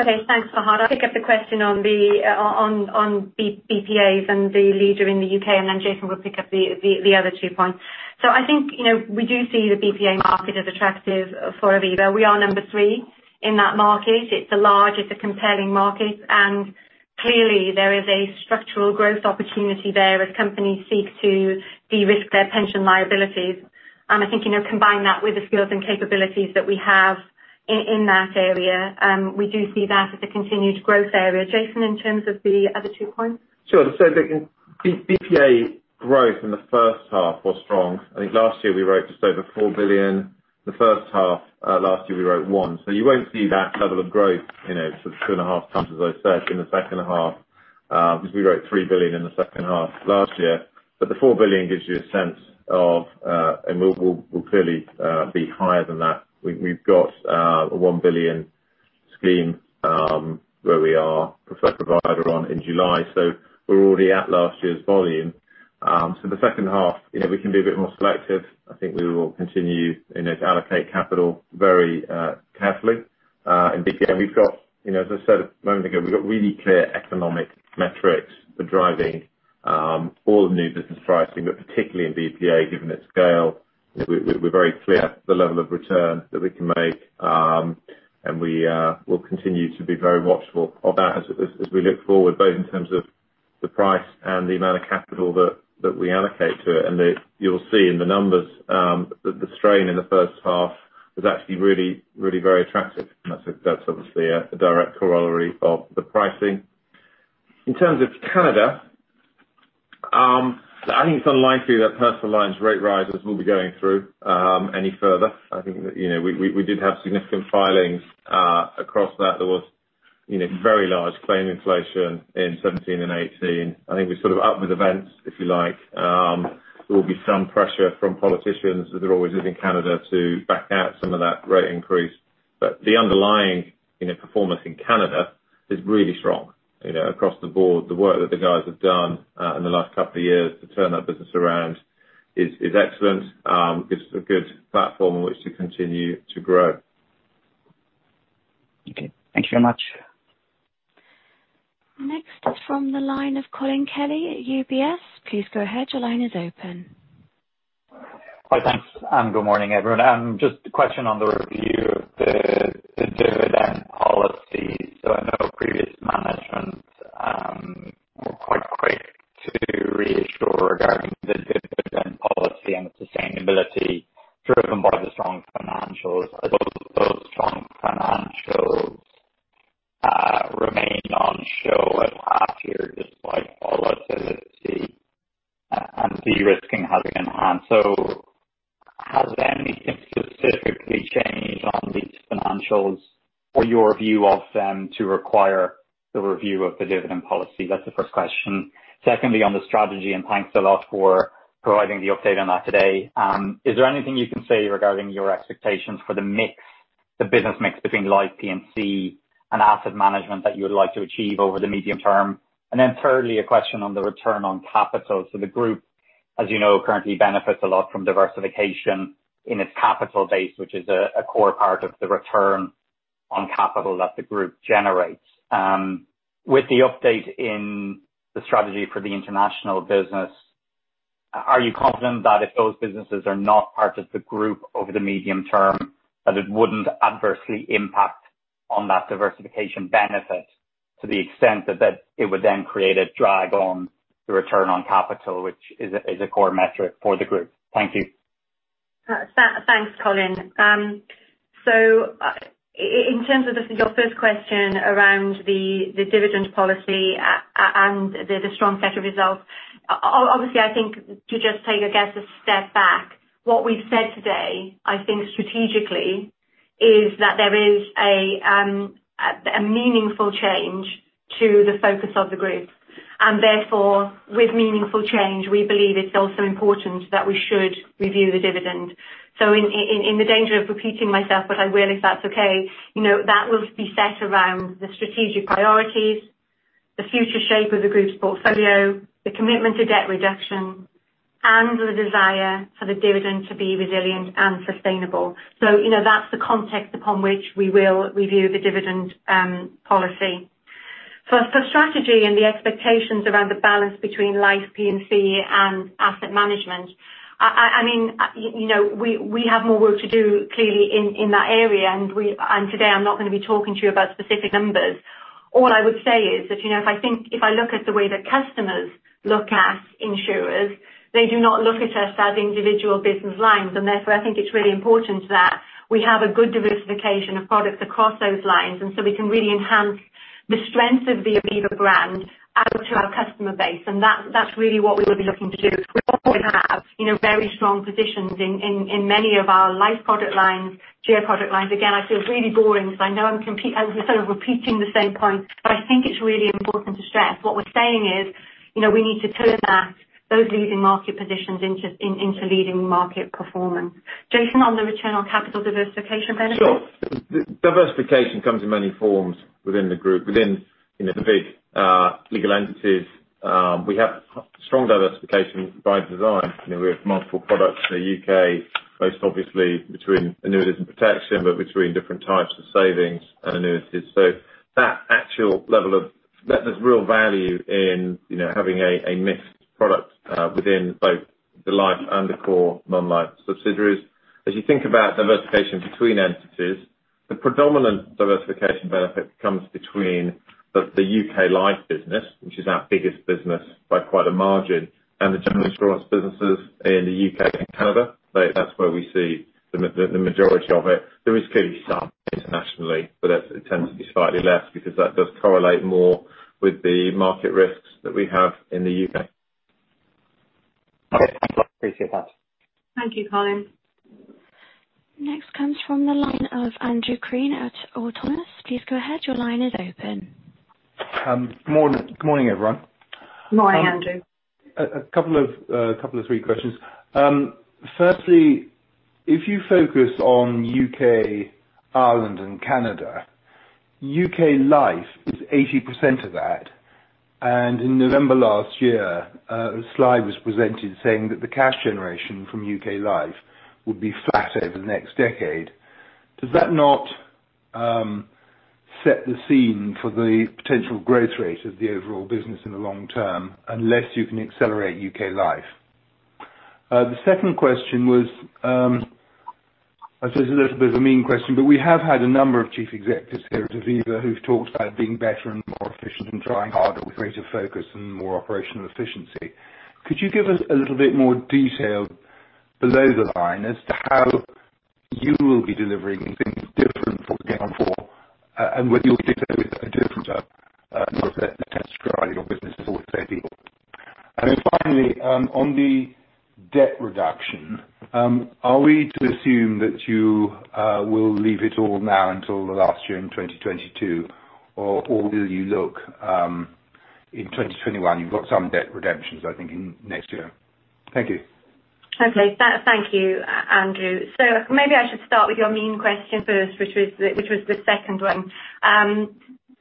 Okay, thanks, Fahad. I'll pick up the question on the on BPAs and the leader in the UK, and then Jason will pick up the other two points. So I think, you know, we do see the BPA market as attractive for Aviva. We are number 3 in that market. It's a large, it's a compelling market, and clearly there is a structural growth opportunity there as companies seek to de-risk their pension liabilities. And I think, you know, combine that with the skills and capabilities that we have in that area, we do see that as a continued growth area. Jason, in terms of the other two points?
Sure. So the BPA growth in the first half was strong. I think last year we wrote just over 4 billion. The first half last year we wrote 1. So you won't see that level of growth, you know, sort of 2.5x, as I said, in the second half, because we wrote 3 billion in the second half last year. But the 4 billion gives you a sense of, and we'll, we'll clearly, be higher than that. We've got, a 1 billion scheme, where we are preferred provider on in July, so we're already at last year's volume. So the second half, you know, we can be a bit more selective. I think we will continue, you know, to allocate capital very, carefully. And again, we've got, you know, as I said a moment ago, we've got really clear economic metrics for driving all the new business pricing, but particularly in BPA, given its scale. We're very clear the level of return that we can make, and we will continue to be very watchful of that as we look forward, both in terms of the price and the amount of capital that we allocate to it. And you'll see in the numbers that the strain in the first half was actually really, really very attractive, and that's obviously a direct corollary of the pricing. In terms of Canada, I think it's unlikely that Personal Lines rate rises will be going through any further. I think that, you know, we did have significant filings across that. There was, you know, very large claim inflation in 2017 and 2018. I think we're sort of up with events, if you like. There will be some pressure from politicians, as there always is in Canada, to back out some of that rate increase. But the underlying, you know, performance in Canada is really strong. You know, across the board, the work that the guys have done in the last couple of years to turn that business around is, is excellent. It's a good platform in which to continue to grow.
Okay. Thank you very much.
Next is from the line of Colm Kelly at UBS. Please go ahead, your line is open.
Hi, thanks, and good morning, everyone. Just a question on the review of the dividend policy. So I know previous management were quite quick to reassure regarding the dividend policy and its sustainability, driven by the strong financials. Are those strong financials remaining on show at half year, despite volatility and de-risking having enhanced? So-... Has anything specifically changed on these financials or your view of them to require the review of the dividend policy? That's the first question. Secondly, on the strategy, and thanks a lot for providing the update on that today. Is there anything you can say regarding your expectations for the mix, the business mix between life, P&C and asset management that you would like to achieve over the medium term? And then thirdly, a question on the return on capital. So the group, as you know, currently benefits a lot from diversification in its capital base, which is a core part of the return on capital that the group generates. With the update in the strategy for the international business, are you confident that if those businesses are not part of the group over the medium term, that it wouldn't adversely impact on that diversification benefit to the extent that, that it would then create a drag on the return on capital, which is a core metric for the group? Thank you.
Thanks, Colm. So, in terms of just your first question around the dividend policy and the strong set of results, obviously, I think to just take a step back, what we've said today, I think strategically, is that there is a meaningful change to the focus of the group, and therefore, with meaningful change, we believe it's also important that we should review the dividend. So in the danger of repeating myself, but I will, if that's okay, you know, that will be set around the strategic priorities, the future shape of the group's portfolio, the commitment to debt reduction, and the desire for the dividend to be resilient and sustainable. So, you know, that's the context upon which we will review the dividend policy. So for strategy and the expectations around the balance between life, P&C and asset management, I mean, you know, we have more work to do, clearly, in that area, and we... And today, I'm not going to be talking to you about specific numbers. All I would say is that, you know, if I think, if I look at the way that customers look at insurers, they do not look at us as individual business lines, and therefore, I think it's really important that we have a good diversification of products across those lines, and so we can really enhance the strength of the Aviva brand out to our customer base. And that's really what we will be looking to do. We have, you know, very strong positions in many of our life product lines, GI product lines. Again, I feel really boring because I know I'm sort of repeating the same point, but I think it's really important to stress. What we're saying is, you know, we need to turn that, those leading market positions into, in, into leading market performance. Jason, on the return on capital diversification benefit?
Sure. Diversification comes in many forms within the group. Within, you know, the big legal entities, we have strong diversification by design. You know, we have multiple products in the UK, most obviously between annuities and protection, but between different types of savings and annuities. So that actual level of... There, there's real value in, you know, having a mixed product within both the life and the core non-life subsidiaries. As you think about diversification between entities, the predominant diversification benefit comes between the UK life business, which is our biggest business by quite a margin, and the general insurance businesses in the UK and Canada. So that's where we see the majority of it. There is clearly some internationally, but that's, it tends to be slightly less because that does correlate more with the market risks that we have in the UK.
Okay. Thank you. I appreciate that.
Thank you, Colm.
Next comes from the line of Andrew Crean at Autonomous Research. Please go ahead. Your line is open.
Good morning. Good morning, everyone.
Good morning, Andrew.
A couple of three questions. Firstly, if you focus on UK, Ireland, and Canada, UK Life is 80% of that, and in November last year, a slide was presented saying that the cash generation from UK Life would be flat over the next decade. Does that not set the scene for the potential growth rate of the overall business in the long term, unless you can accelerate UK Life? The second question was, I say it's a little bit of a mean question, but we have had a number of chief executives here at Aviva who've talked about being better and more efficient and trying harder with greater focus and more operational efficiency. Could you give us a little bit more detail below the line as to how you will be delivering things different from before, and whether you'll do so with a different, not a different strategy or business, as I would say, people? And then finally, on the debt reduction, are we to assume that you will leave it all now until the last year in 2022, or will you look in 2021? You've got some debt redemptions, I think, in next year. Thank you.
Okay. Thank you, Andrew. So maybe I should start with your main question first, which was the second one.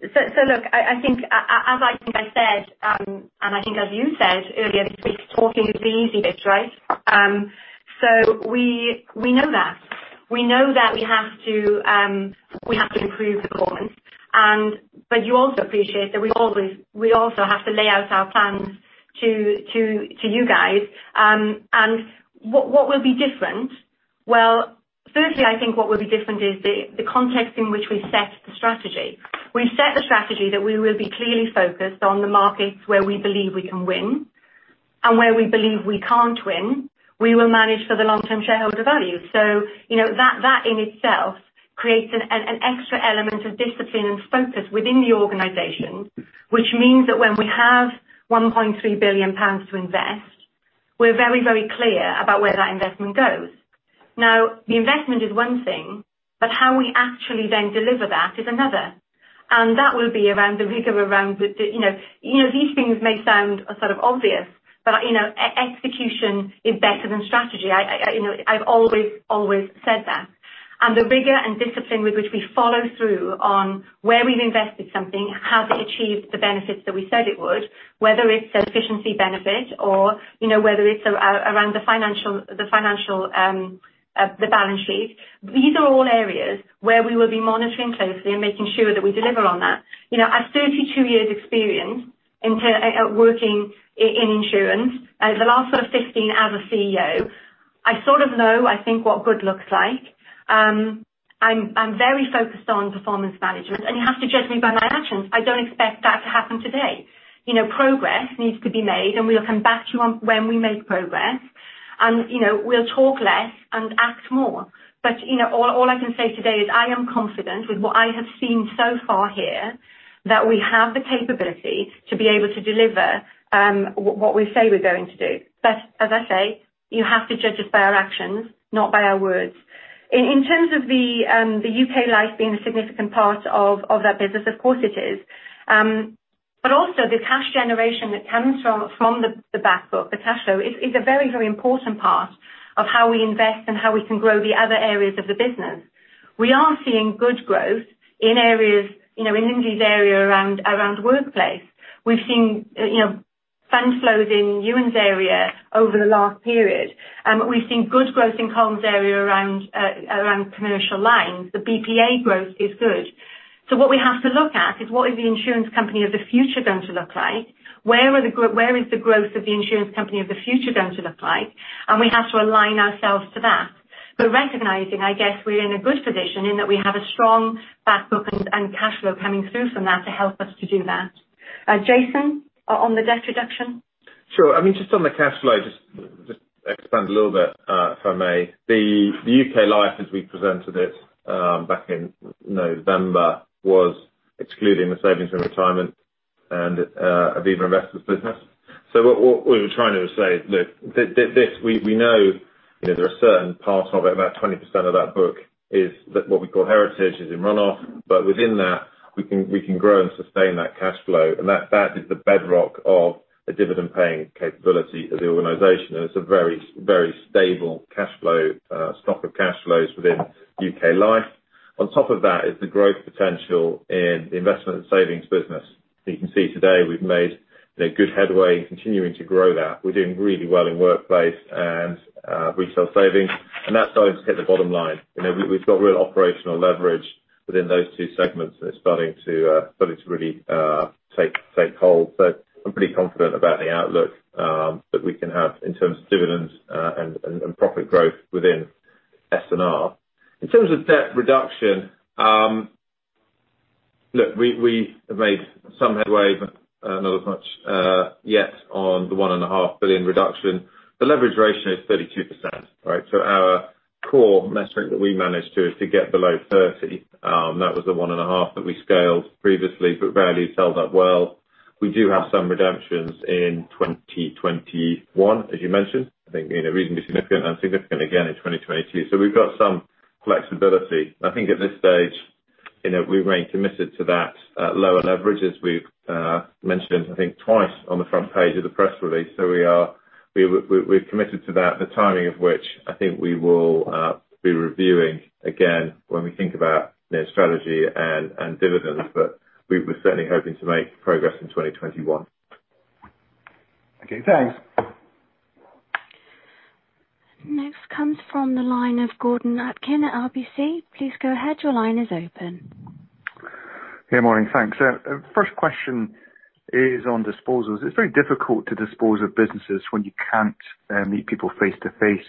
So look, I think, as I think I said, and I think as you said earlier, talking is the easy bit, right? So we know that. We know that we have to improve performance. But you also appreciate that we always have to lay out our plans to you guys. And what will be different? Well, firstly, I think what will be different is the context in which we set the strategy. We've set the strategy that we will be clearly focused on the markets where we believe we can win, and where we believe we can't win, we will manage for the long-term shareholder value. So, you know, that in itself creates an extra element of discipline and focus within the organization, which means that when we have 1.3 billion pounds to invest, we're very, very clear about where that investment goes. Now, the investment is one thing, but how we actually then deliver that is another. And that will be around the rigor, around the. You know, these things may sound sort of obvious, but, you know, execution is better than strategy. I, you know, I've always said that. And the rigor and discipline with which we follow through on where we've invested something, has it achieved the benefits that we said it would? Whether it's an efficiency benefit or, you know, whether it's around the financial balance sheet. These are all areas where we will be monitoring closely and making sure that we deliver on that. You know, I have 32 years experience in working in insurance, the last sort of 15 as a CEO. I sort of know, I think, what good looks like. I'm very focused on performance management, and you have to judge me by my actions. I don't expect that to happen today. You know, progress needs to be made, and we'll come back to you on when we make progress, and, you know, we'll talk less and act more. But, you know, all I can say today is I am confident with what I have seen so far here, that we have the capability to be able to deliver, what we say we're going to do. But as I say, you have to judge us by our actions, not by our words. In terms of the UK Life being a significant part of our business, of course it is. But also the cash generation that comes from the back book, the cashflow, is a very, very important part of how we invest and how we can grow the other areas of the business. We are seeing good growth in areas, you know, in Lindsey's area around workplace. We've seen, you know, fund flows in Euan's area over the last period, we've seen good growth in Colm's area around commercial lines. The BPA growth is good. So what we have to look at is what is the insurance company of the future going to look like? Where is the growth of the insurance company of the future going to look like? And we have to align ourselves to that. But recognizing, I guess, we're in a good position in that we have a strong back book and, and cashflow coming through from that to help us to do that. Jason, on the debt reduction?
Sure. I mean, just on the cashflow, just expand a little bit, if I may. The UK Life, as we presented it, back in November, was excluding the savings and retirement and Aviva Investors business. So what we were trying to say, look, this, we know, you know, there are certain parts of it, about 20% of that book is that what we call heritage, is in runoff, but within that, we can grow and sustain that cashflow. And that is the bedrock of the dividend paying capability of the organization, and it's a very, very stable cashflow, stock of cashflows within UK Life. On top of that is the growth potential in the investment and savings business. You can see today we've made a good headway in continuing to grow that. We're doing really well in workplace and retail savings, and that's starting to hit the bottom line. You know, we've got real operational leverage within those two segments that's starting to really take hold. But I'm pretty confident about the outlook that we can have in terms of dividends and profit growth within S&R. In terms of debt reduction, look, we have made some headway, but not as much yet on the 1.5 billion reduction. The leverage ratio is 32%, right? So our core metric that we managed to is to get below 30%, that was the 1.5 billion that we scaled previously, but value held up well. We do have some redemptions in 2021, as you mentioned, I think, you know, reasonably significant and significant again in 2022. So we've got some flexibility. I think at this stage, you know, we remain committed to that, lower leverage, as we've mentioned, I think twice on the front page of the press release. So we're committed to that, the timing of which I think we will be reviewing again when we think about the strategy and dividends, but we're certainly hoping to make progress in 2021.
Okay, thanks.
Next comes from the line of Gordon Aitken at RBC. Please go ahead, your line is open.
Hey, morning. Thanks. First question is on disposals. It's very difficult to dispose of businesses when you can't meet people face to face,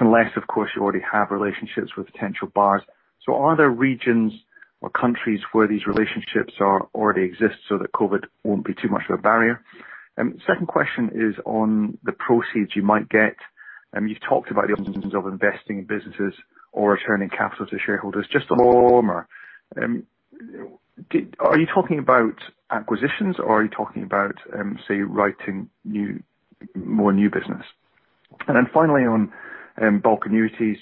unless, of course, you already have relationships with potential buyers. So are there regions or countries where these relationships already exist, so that COVID won't be too much of a barrier? Second question is on the proceeds you might get. You've talked about the options of investing in businesses or returning capital to shareholders. Just... are you talking about acquisitions or are you talking about, say, writing new, more new business? And then finally on bulk annuities,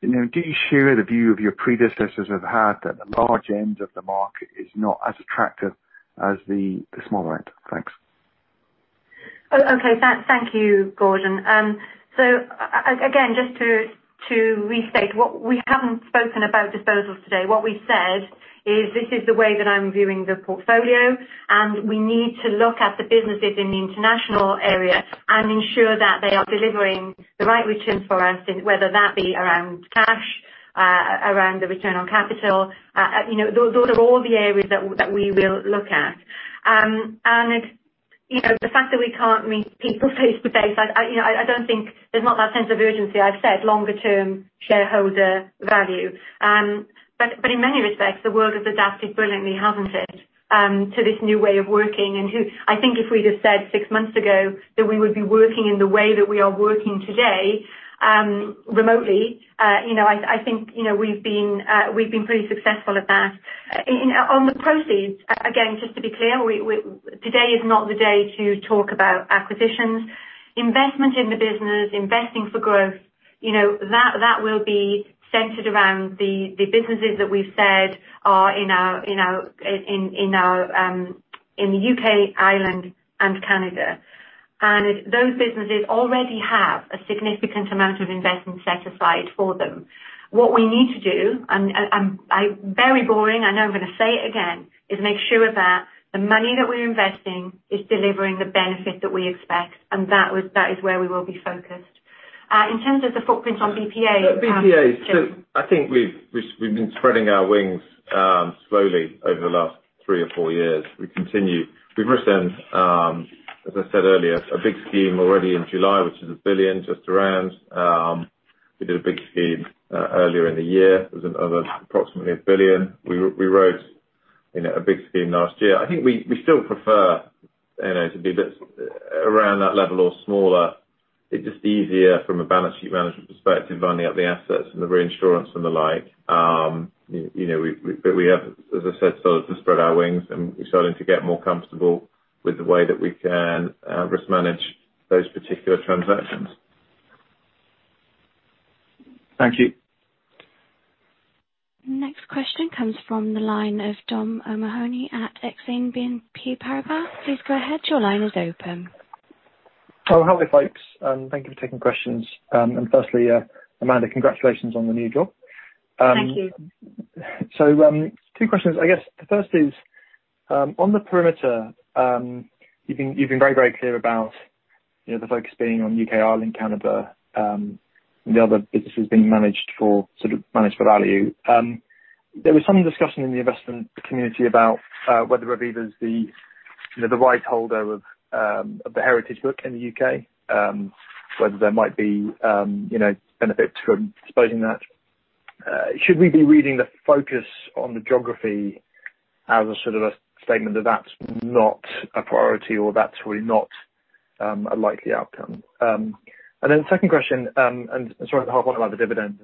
you know, do you share the view of your predecessors have had, that the large end of the market is not as attractive as the, the smaller end? Thanks.
Okay. Thank you, Gordon. So again, just to restate, what we haven't spoken about disposals today, what we said is this is the way that I'm viewing the portfolio, and we need to look at the businesses in the international area and ensure that they are delivering the right returns for us, whether that be around cash, around the return on capital. You know, those are all the areas that we will look at. And you know, the fact that we can't meet people face to face, I you know, I don't think there's not that sense of urgency. I've said longer term shareholder value. But in many respects, the world has adapted brilliantly, hasn't it, to this new way of working? And who... I think if we just said six months ago that we would be working in the way that we are working today remotely, you know, I think, you know, we've been pretty successful at that. In on the proceeds, again, just to be clear, we, today is not the day to talk about acquisitions. Investment in the business, investing for growth, you know, that will be centered around the businesses that we've said are in our UK, Ireland, and Canada. Those businesses already have a significant amount of investment set aside for them. What we need to do, and I'm very boring, I know I'm gonna say it again, is make sure that the money that we're investing is delivering the benefit that we expect, and that was - that is where we will be focused. In terms of the footprint on BPA,
BPA, so I think we've been spreading our wings slowly over the last three or four years. We continue. We've recently, as I said earlier, a big scheme already in July, which is around GBP 1 billion. We did a big scheme earlier in the year. It was over approximately 1 billion. We wrote, you know, a big scheme last year. I think we still prefer, you know, to do bits around that level or smaller. It's just easier from a balance sheet management perspective, lining up the assets and the reinsurance and the like. You know, but we have, as I said, started to spread our wings, and we're starting to get more comfortable with the way that we can risk manage those particular transactions.
Thank you.
Next question comes from the line of Dom O'Mahony at Exane BNP Paribas. Please go ahead. Your line is open.
Oh, hi, folks, and thank you for taking questions. And firstly, Amanda, congratulations on the new job.
Thank you.
So, two questions. I guess the first is on the perimeter. You've been very clear about, you know, the focus being on UK, Ireland, Canada, and the other businesses being managed for, sort of, managed for value. There was some discussion in the investment community about whether Aviva is the, you know, the right holder of the heritage book in the UK. Whether there might be, you know, benefit to exposing that. Should we be reading the focus on the geography as a sort of a statement that that's not a priority or that's really not a likely outcome? And then the second question, and sorry, to harp on about the dividend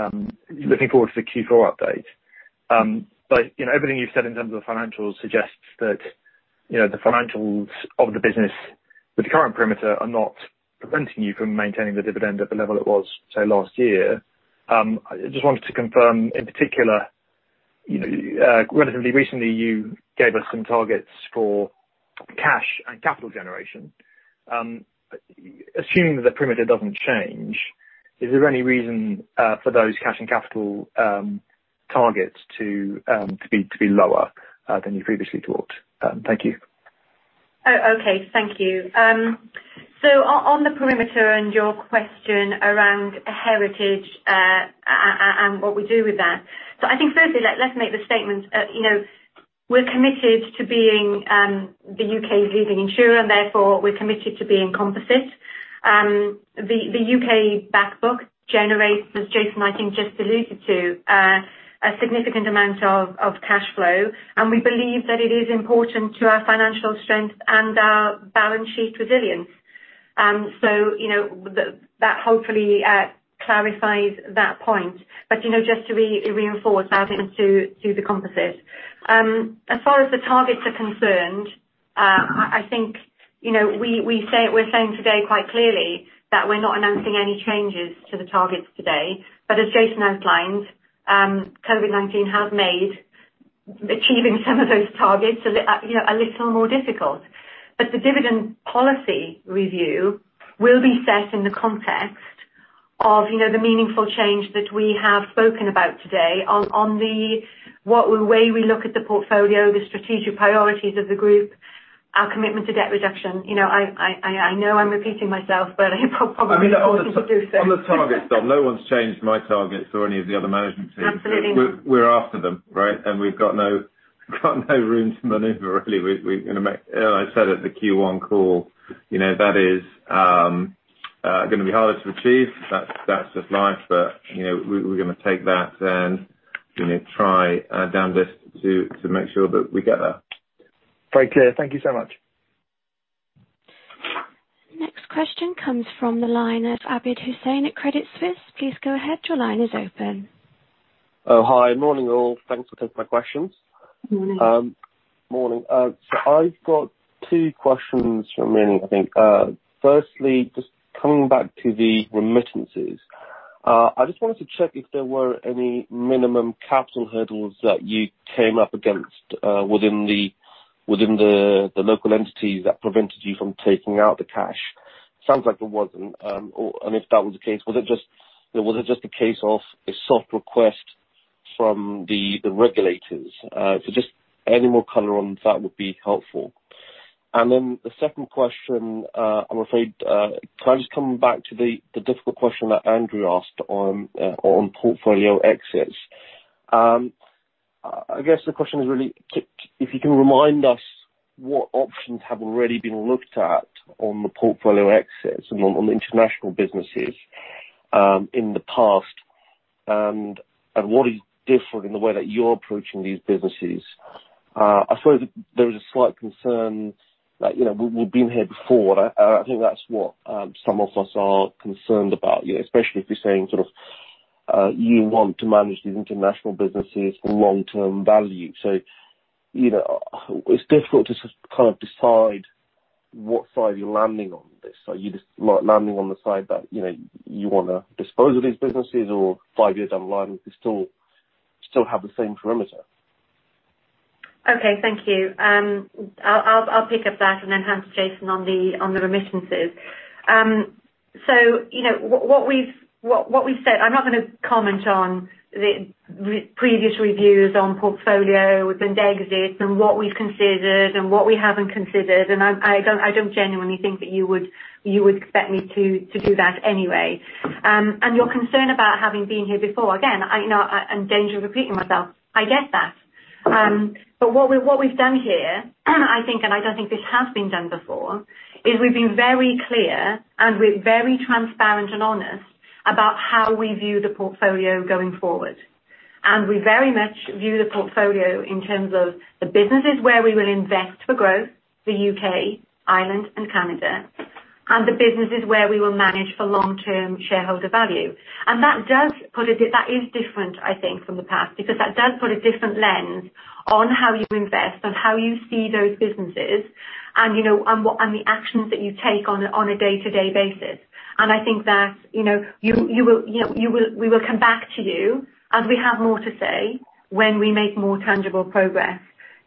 and looking forward to the Q4 update. But, you know, everything you've said in terms of the financials suggests that, you know, the financials of the business with the current perimeter are not preventing you from maintaining the dividend at the level it was, say, last year. I just wanted to confirm, in particular, you know, relatively recently, you gave us some targets for cash and capital generation. Assuming that the perimeter doesn't change, is there any reason for those cash and capital targets to be lower than you previously thought? Thank you.
Oh, okay. Thank you. So on the perimeter and your question around heritage, and what we do with that. So I think firstly, let's make the statement, you know, we're committed to being the UK's leading insurer, and therefore, we're committed to being composite. The UK back book generates, as Jason, I think, just alluded to, a significant amount of cash flow, and we believe that it is important to our financial strength and our balance sheet resilience. So, you know, that hopefully clarifies that point. But, you know, just to reinforce that into the composites. As far as the targets are concerned, I think, you know, we say it – we're saying today quite clearly, that we're not announcing any changes to the targets today. But as Jason outlined, COVID-19 has made achieving some of those targets a little more difficult. But the dividend policy review will be set in the context of, you know, the meaningful change that we have spoken about today on the way we look at the portfolio, the strategic priorities of the group, our commitment to debt reduction. You know, I know I'm repeating myself, but I'll probably continue to do so.
On the targets, Dom, no one's changed my targets or any of the other management teams.
Absolutely.
We're after them, right? And we've got no room to maneuver, really. I said at the Q1 call, you know, that is gonna be harder to achieve. That's just life. But, you know, we're gonna take that and, you know, try our damnedest to make sure that we get there.
Very clear. Thank you so much.
Next question comes from the line of Abid Hussain at Credit Suisse. Please go ahead. Your line is open.
Oh, hi, morning, all. Thanks for taking my questions.
Morning.
Morning. So I've got two questions from me, I think. Firstly, just coming back to the remittances. I just wanted to check if there were any minimum capital hurdles that you came up against, within the local entities, that prevented you from taking out the cash? Sounds like there wasn't, or, and if that was the case, was it just, you know, was it just a case of a soft request from the regulators? So just any more color on that would be helpful. And then the second question, I'm afraid, can I just come back to the difficult question that Andrew asked on, on portfolio exits? I guess the question is really, if you can remind us what options have already been looked at on the portfolio exits and on the international businesses in the past? And what is different in the way that you're approaching these businesses? I suppose there is a slight concern that, you know, we've been here before, and I think that's what some of us are concerned about, you know, especially if you're saying sort of you want to manage these international businesses for long-term value. So, you know, it's difficult to kind of decide what side you're landing on this. Are you just like landing on the side that, you know, you wanna dispose of these businesses or five years down the line, we still have the same perimeter?
Okay, thank you. I'll pick up that and then hand to Jason on the remittances. So you know, what we've said, I'm not gonna comment on the previous reviews on portfolios and exits and what we've considered and what we haven't considered, and I don't genuinely think that you would expect me to do that anyway. Your concern about having been here before, again, I know I'm in danger of repeating myself. I get that. What we've done here, I think, and I don't think this has been done before, is we've been very clear, and we're very transparent and honest about how we view the portfolio going forward. We very much view the portfolio in terms of the businesses where we will invest for growth, the UK, Ireland, and Canada, and the businesses where we will manage for long-term shareholder value. That does put it, that is different, I think, from the past, because that does put a different lens on how you invest and how you see those businesses and, you know, and what and the actions that you take on a day-to-day basis. I think that, you know, we will come back to you as we have more to say when we make more tangible progress.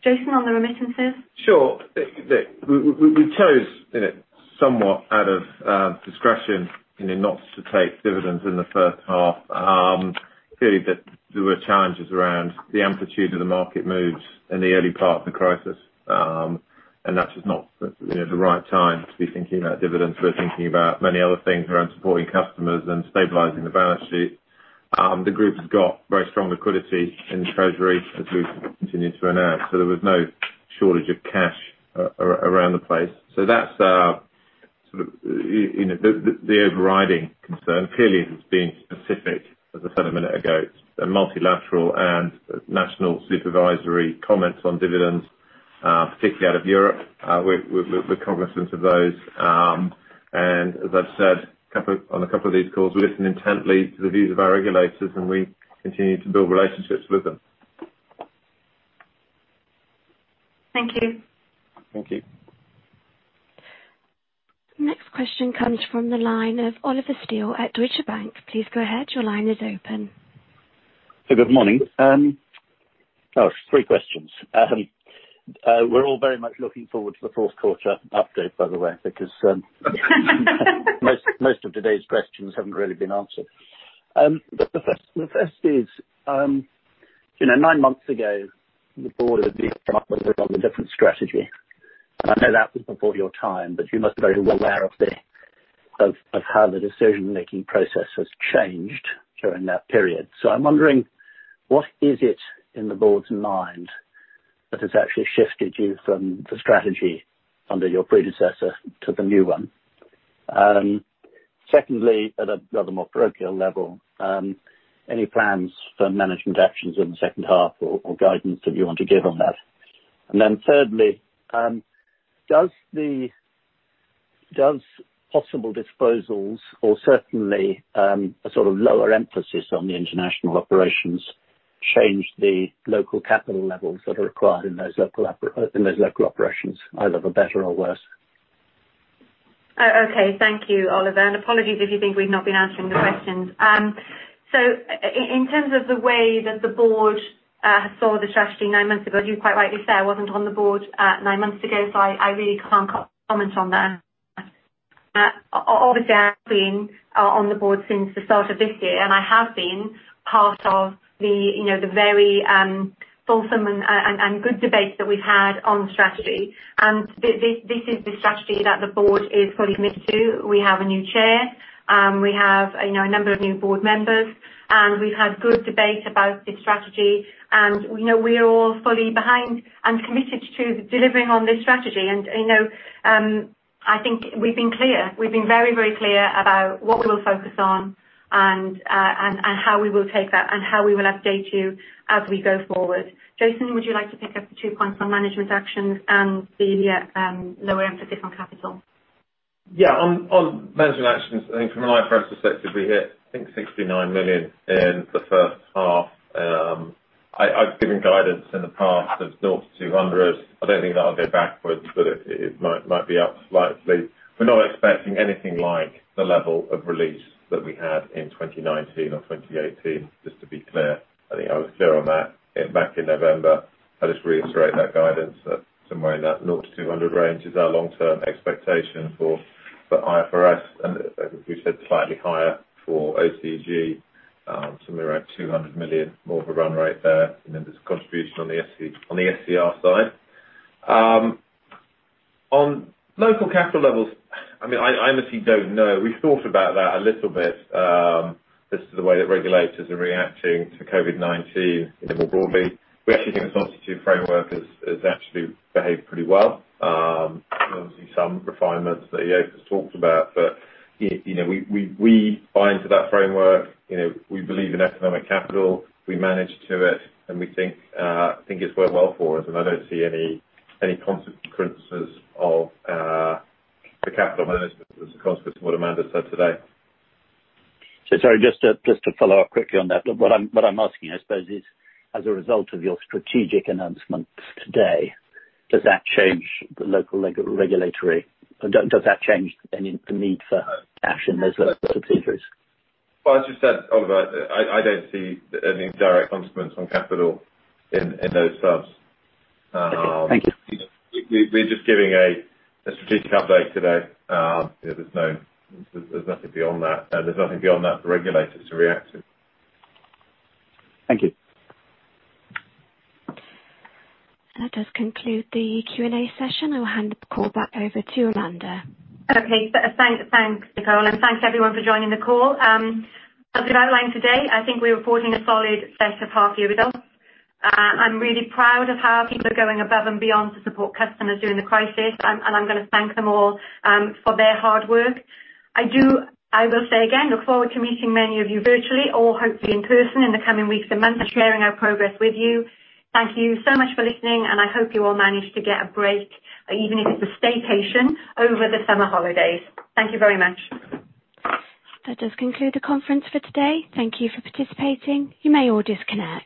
Jason, on the remittances?
Sure. We chose, you know, somewhat out of discretion, you know, not to take dividends in the first half, clearly that there were challenges around the amplitude of the market moves in the early part of the crisis. And that's just not, you know, the right time to be thinking about dividends. We're thinking about many other things around supporting customers and stabilizing the balance sheet. The group's got very strong liquidity in the treasury as we've continued to announce, so there was no shortage of cash around the place. So that's, sort of, you know, the overriding concern. Clearly, it was being specific, as I said a minute ago, the multilateral and national supervisory comments on dividends, particularly out of Europe. We're cognizant of those. As I've said, on a couple of these calls, we listen intently to the views of our regulators, and we continue to build relationships with them.
Thank you.
Thank you.
Next question comes from the line of Oliver Steel at Deutsche Bank. Please go ahead. Your line is open.
Good morning. Three questions. We're all very much looking forward to the fourth quarter update, by the way, because most of today's questions haven't really been answered. But the first is, you know, nine months ago, the board would have come up with a rather different strategy. And I know that was before your time, but you must be very well aware of how the decision-making process has changed during that period. So I'm wondering, what is it in the board's mind that has actually shifted you from the strategy under your predecessor to the new one? Secondly, at a rather more parochial level, any plans for management actions in the second half or guidance that you want to give on that? And then thirdly, does possible disposals or certainly, a sort of lower emphasis on the international operations, change the local capital levels that are required in those local operations, either for better or worse?
Okay. Thank you, Oliver, and apologies if you think we've not been answering the questions. So in terms of the way that the board saw the strategy nine months ago, as you quite rightly say, I wasn't on the board nine months ago, so I really can't comment on that. Obviously, I've been on the board since the start of this year, and I have been part of the, you know, the very fulsome and good debate that we've had on the strategy. This is the strategy that the board is fully committed to. We have a new chair, we have, you know, a number of new board members, and we've had good debate about this strategy. And, you know, we're all fully behind and committed to delivering on this strategy. You know, I think we've been clear. We've been very, very clear about what we will focus on and how we will take that, and how we will update you as we go forward. Jason, would you like to pick up the two points on management actions and the lower emphasis on capital?
Yeah. On management actions, I think from an IFRS perspective, we hit, I think 69 million in the first half. I've given guidance in the past of 0 to 100. I don't think that'll go backwards, but it might be up slightly. We're not expecting anything like the level of release that we had in 2019 or 2018, just to be clear. I think I was clear on that back in November. I just reiterate that guidance, that somewhere in that 0 to 200 range is our long-term expectation for IFRS, and, as we said, slightly higher for OCG, somewhere around 200 million more of a run rate there, and then there's contribution on the SCR side. On local capital levels, I mean, I honestly don't know. We've thought about that a little bit, just the way that regulators are reacting to COVID-19 even more broadly. We actually think the Solvency II framework has actually behaved pretty well. Obviously, some refinements that Sam has talked about, but you know, we buy into that framework. You know, we believe in economic capital. We manage to it, and we think it's worked well for us, and I don't see any consequences of the capital management as a consequence of what Amanda said today.
So sorry, just to follow up quickly on that. What I'm asking, I suppose, is as a result of your strategic announcements today, does that change the local regulatory...? Does that change any, the need for cash in those subsidiaries?
Well, as you said, Oliver, I don't see any direct consequence on capital in those subs.
Thank you.
We're just giving a strategic update today. There's nothing beyond that. There's nothing beyond that for regulators to react to.
Thank you.
That does conclude the Q&A session. I will hand the call back over to Amanda.
Okay. Thanks, thanks, Nicole. Thanks, everyone, for joining the call. As we've outlined today, I think we're reporting a solid set of half year results. I'm really proud of how our people are going above and beyond to support customers during the crisis, and I'm gonna thank them all for their hard work. I will say again, look forward to meeting many of you virtually or hopefully in person in the coming weeks and months, sharing our progress with you. Thank you so much for listening, and I hope you all manage to get a break, even if it's a staycation, over the summer holidays. Thank you very much.
That does conclude the conference for today. Thank you for participating. You may all disconnect.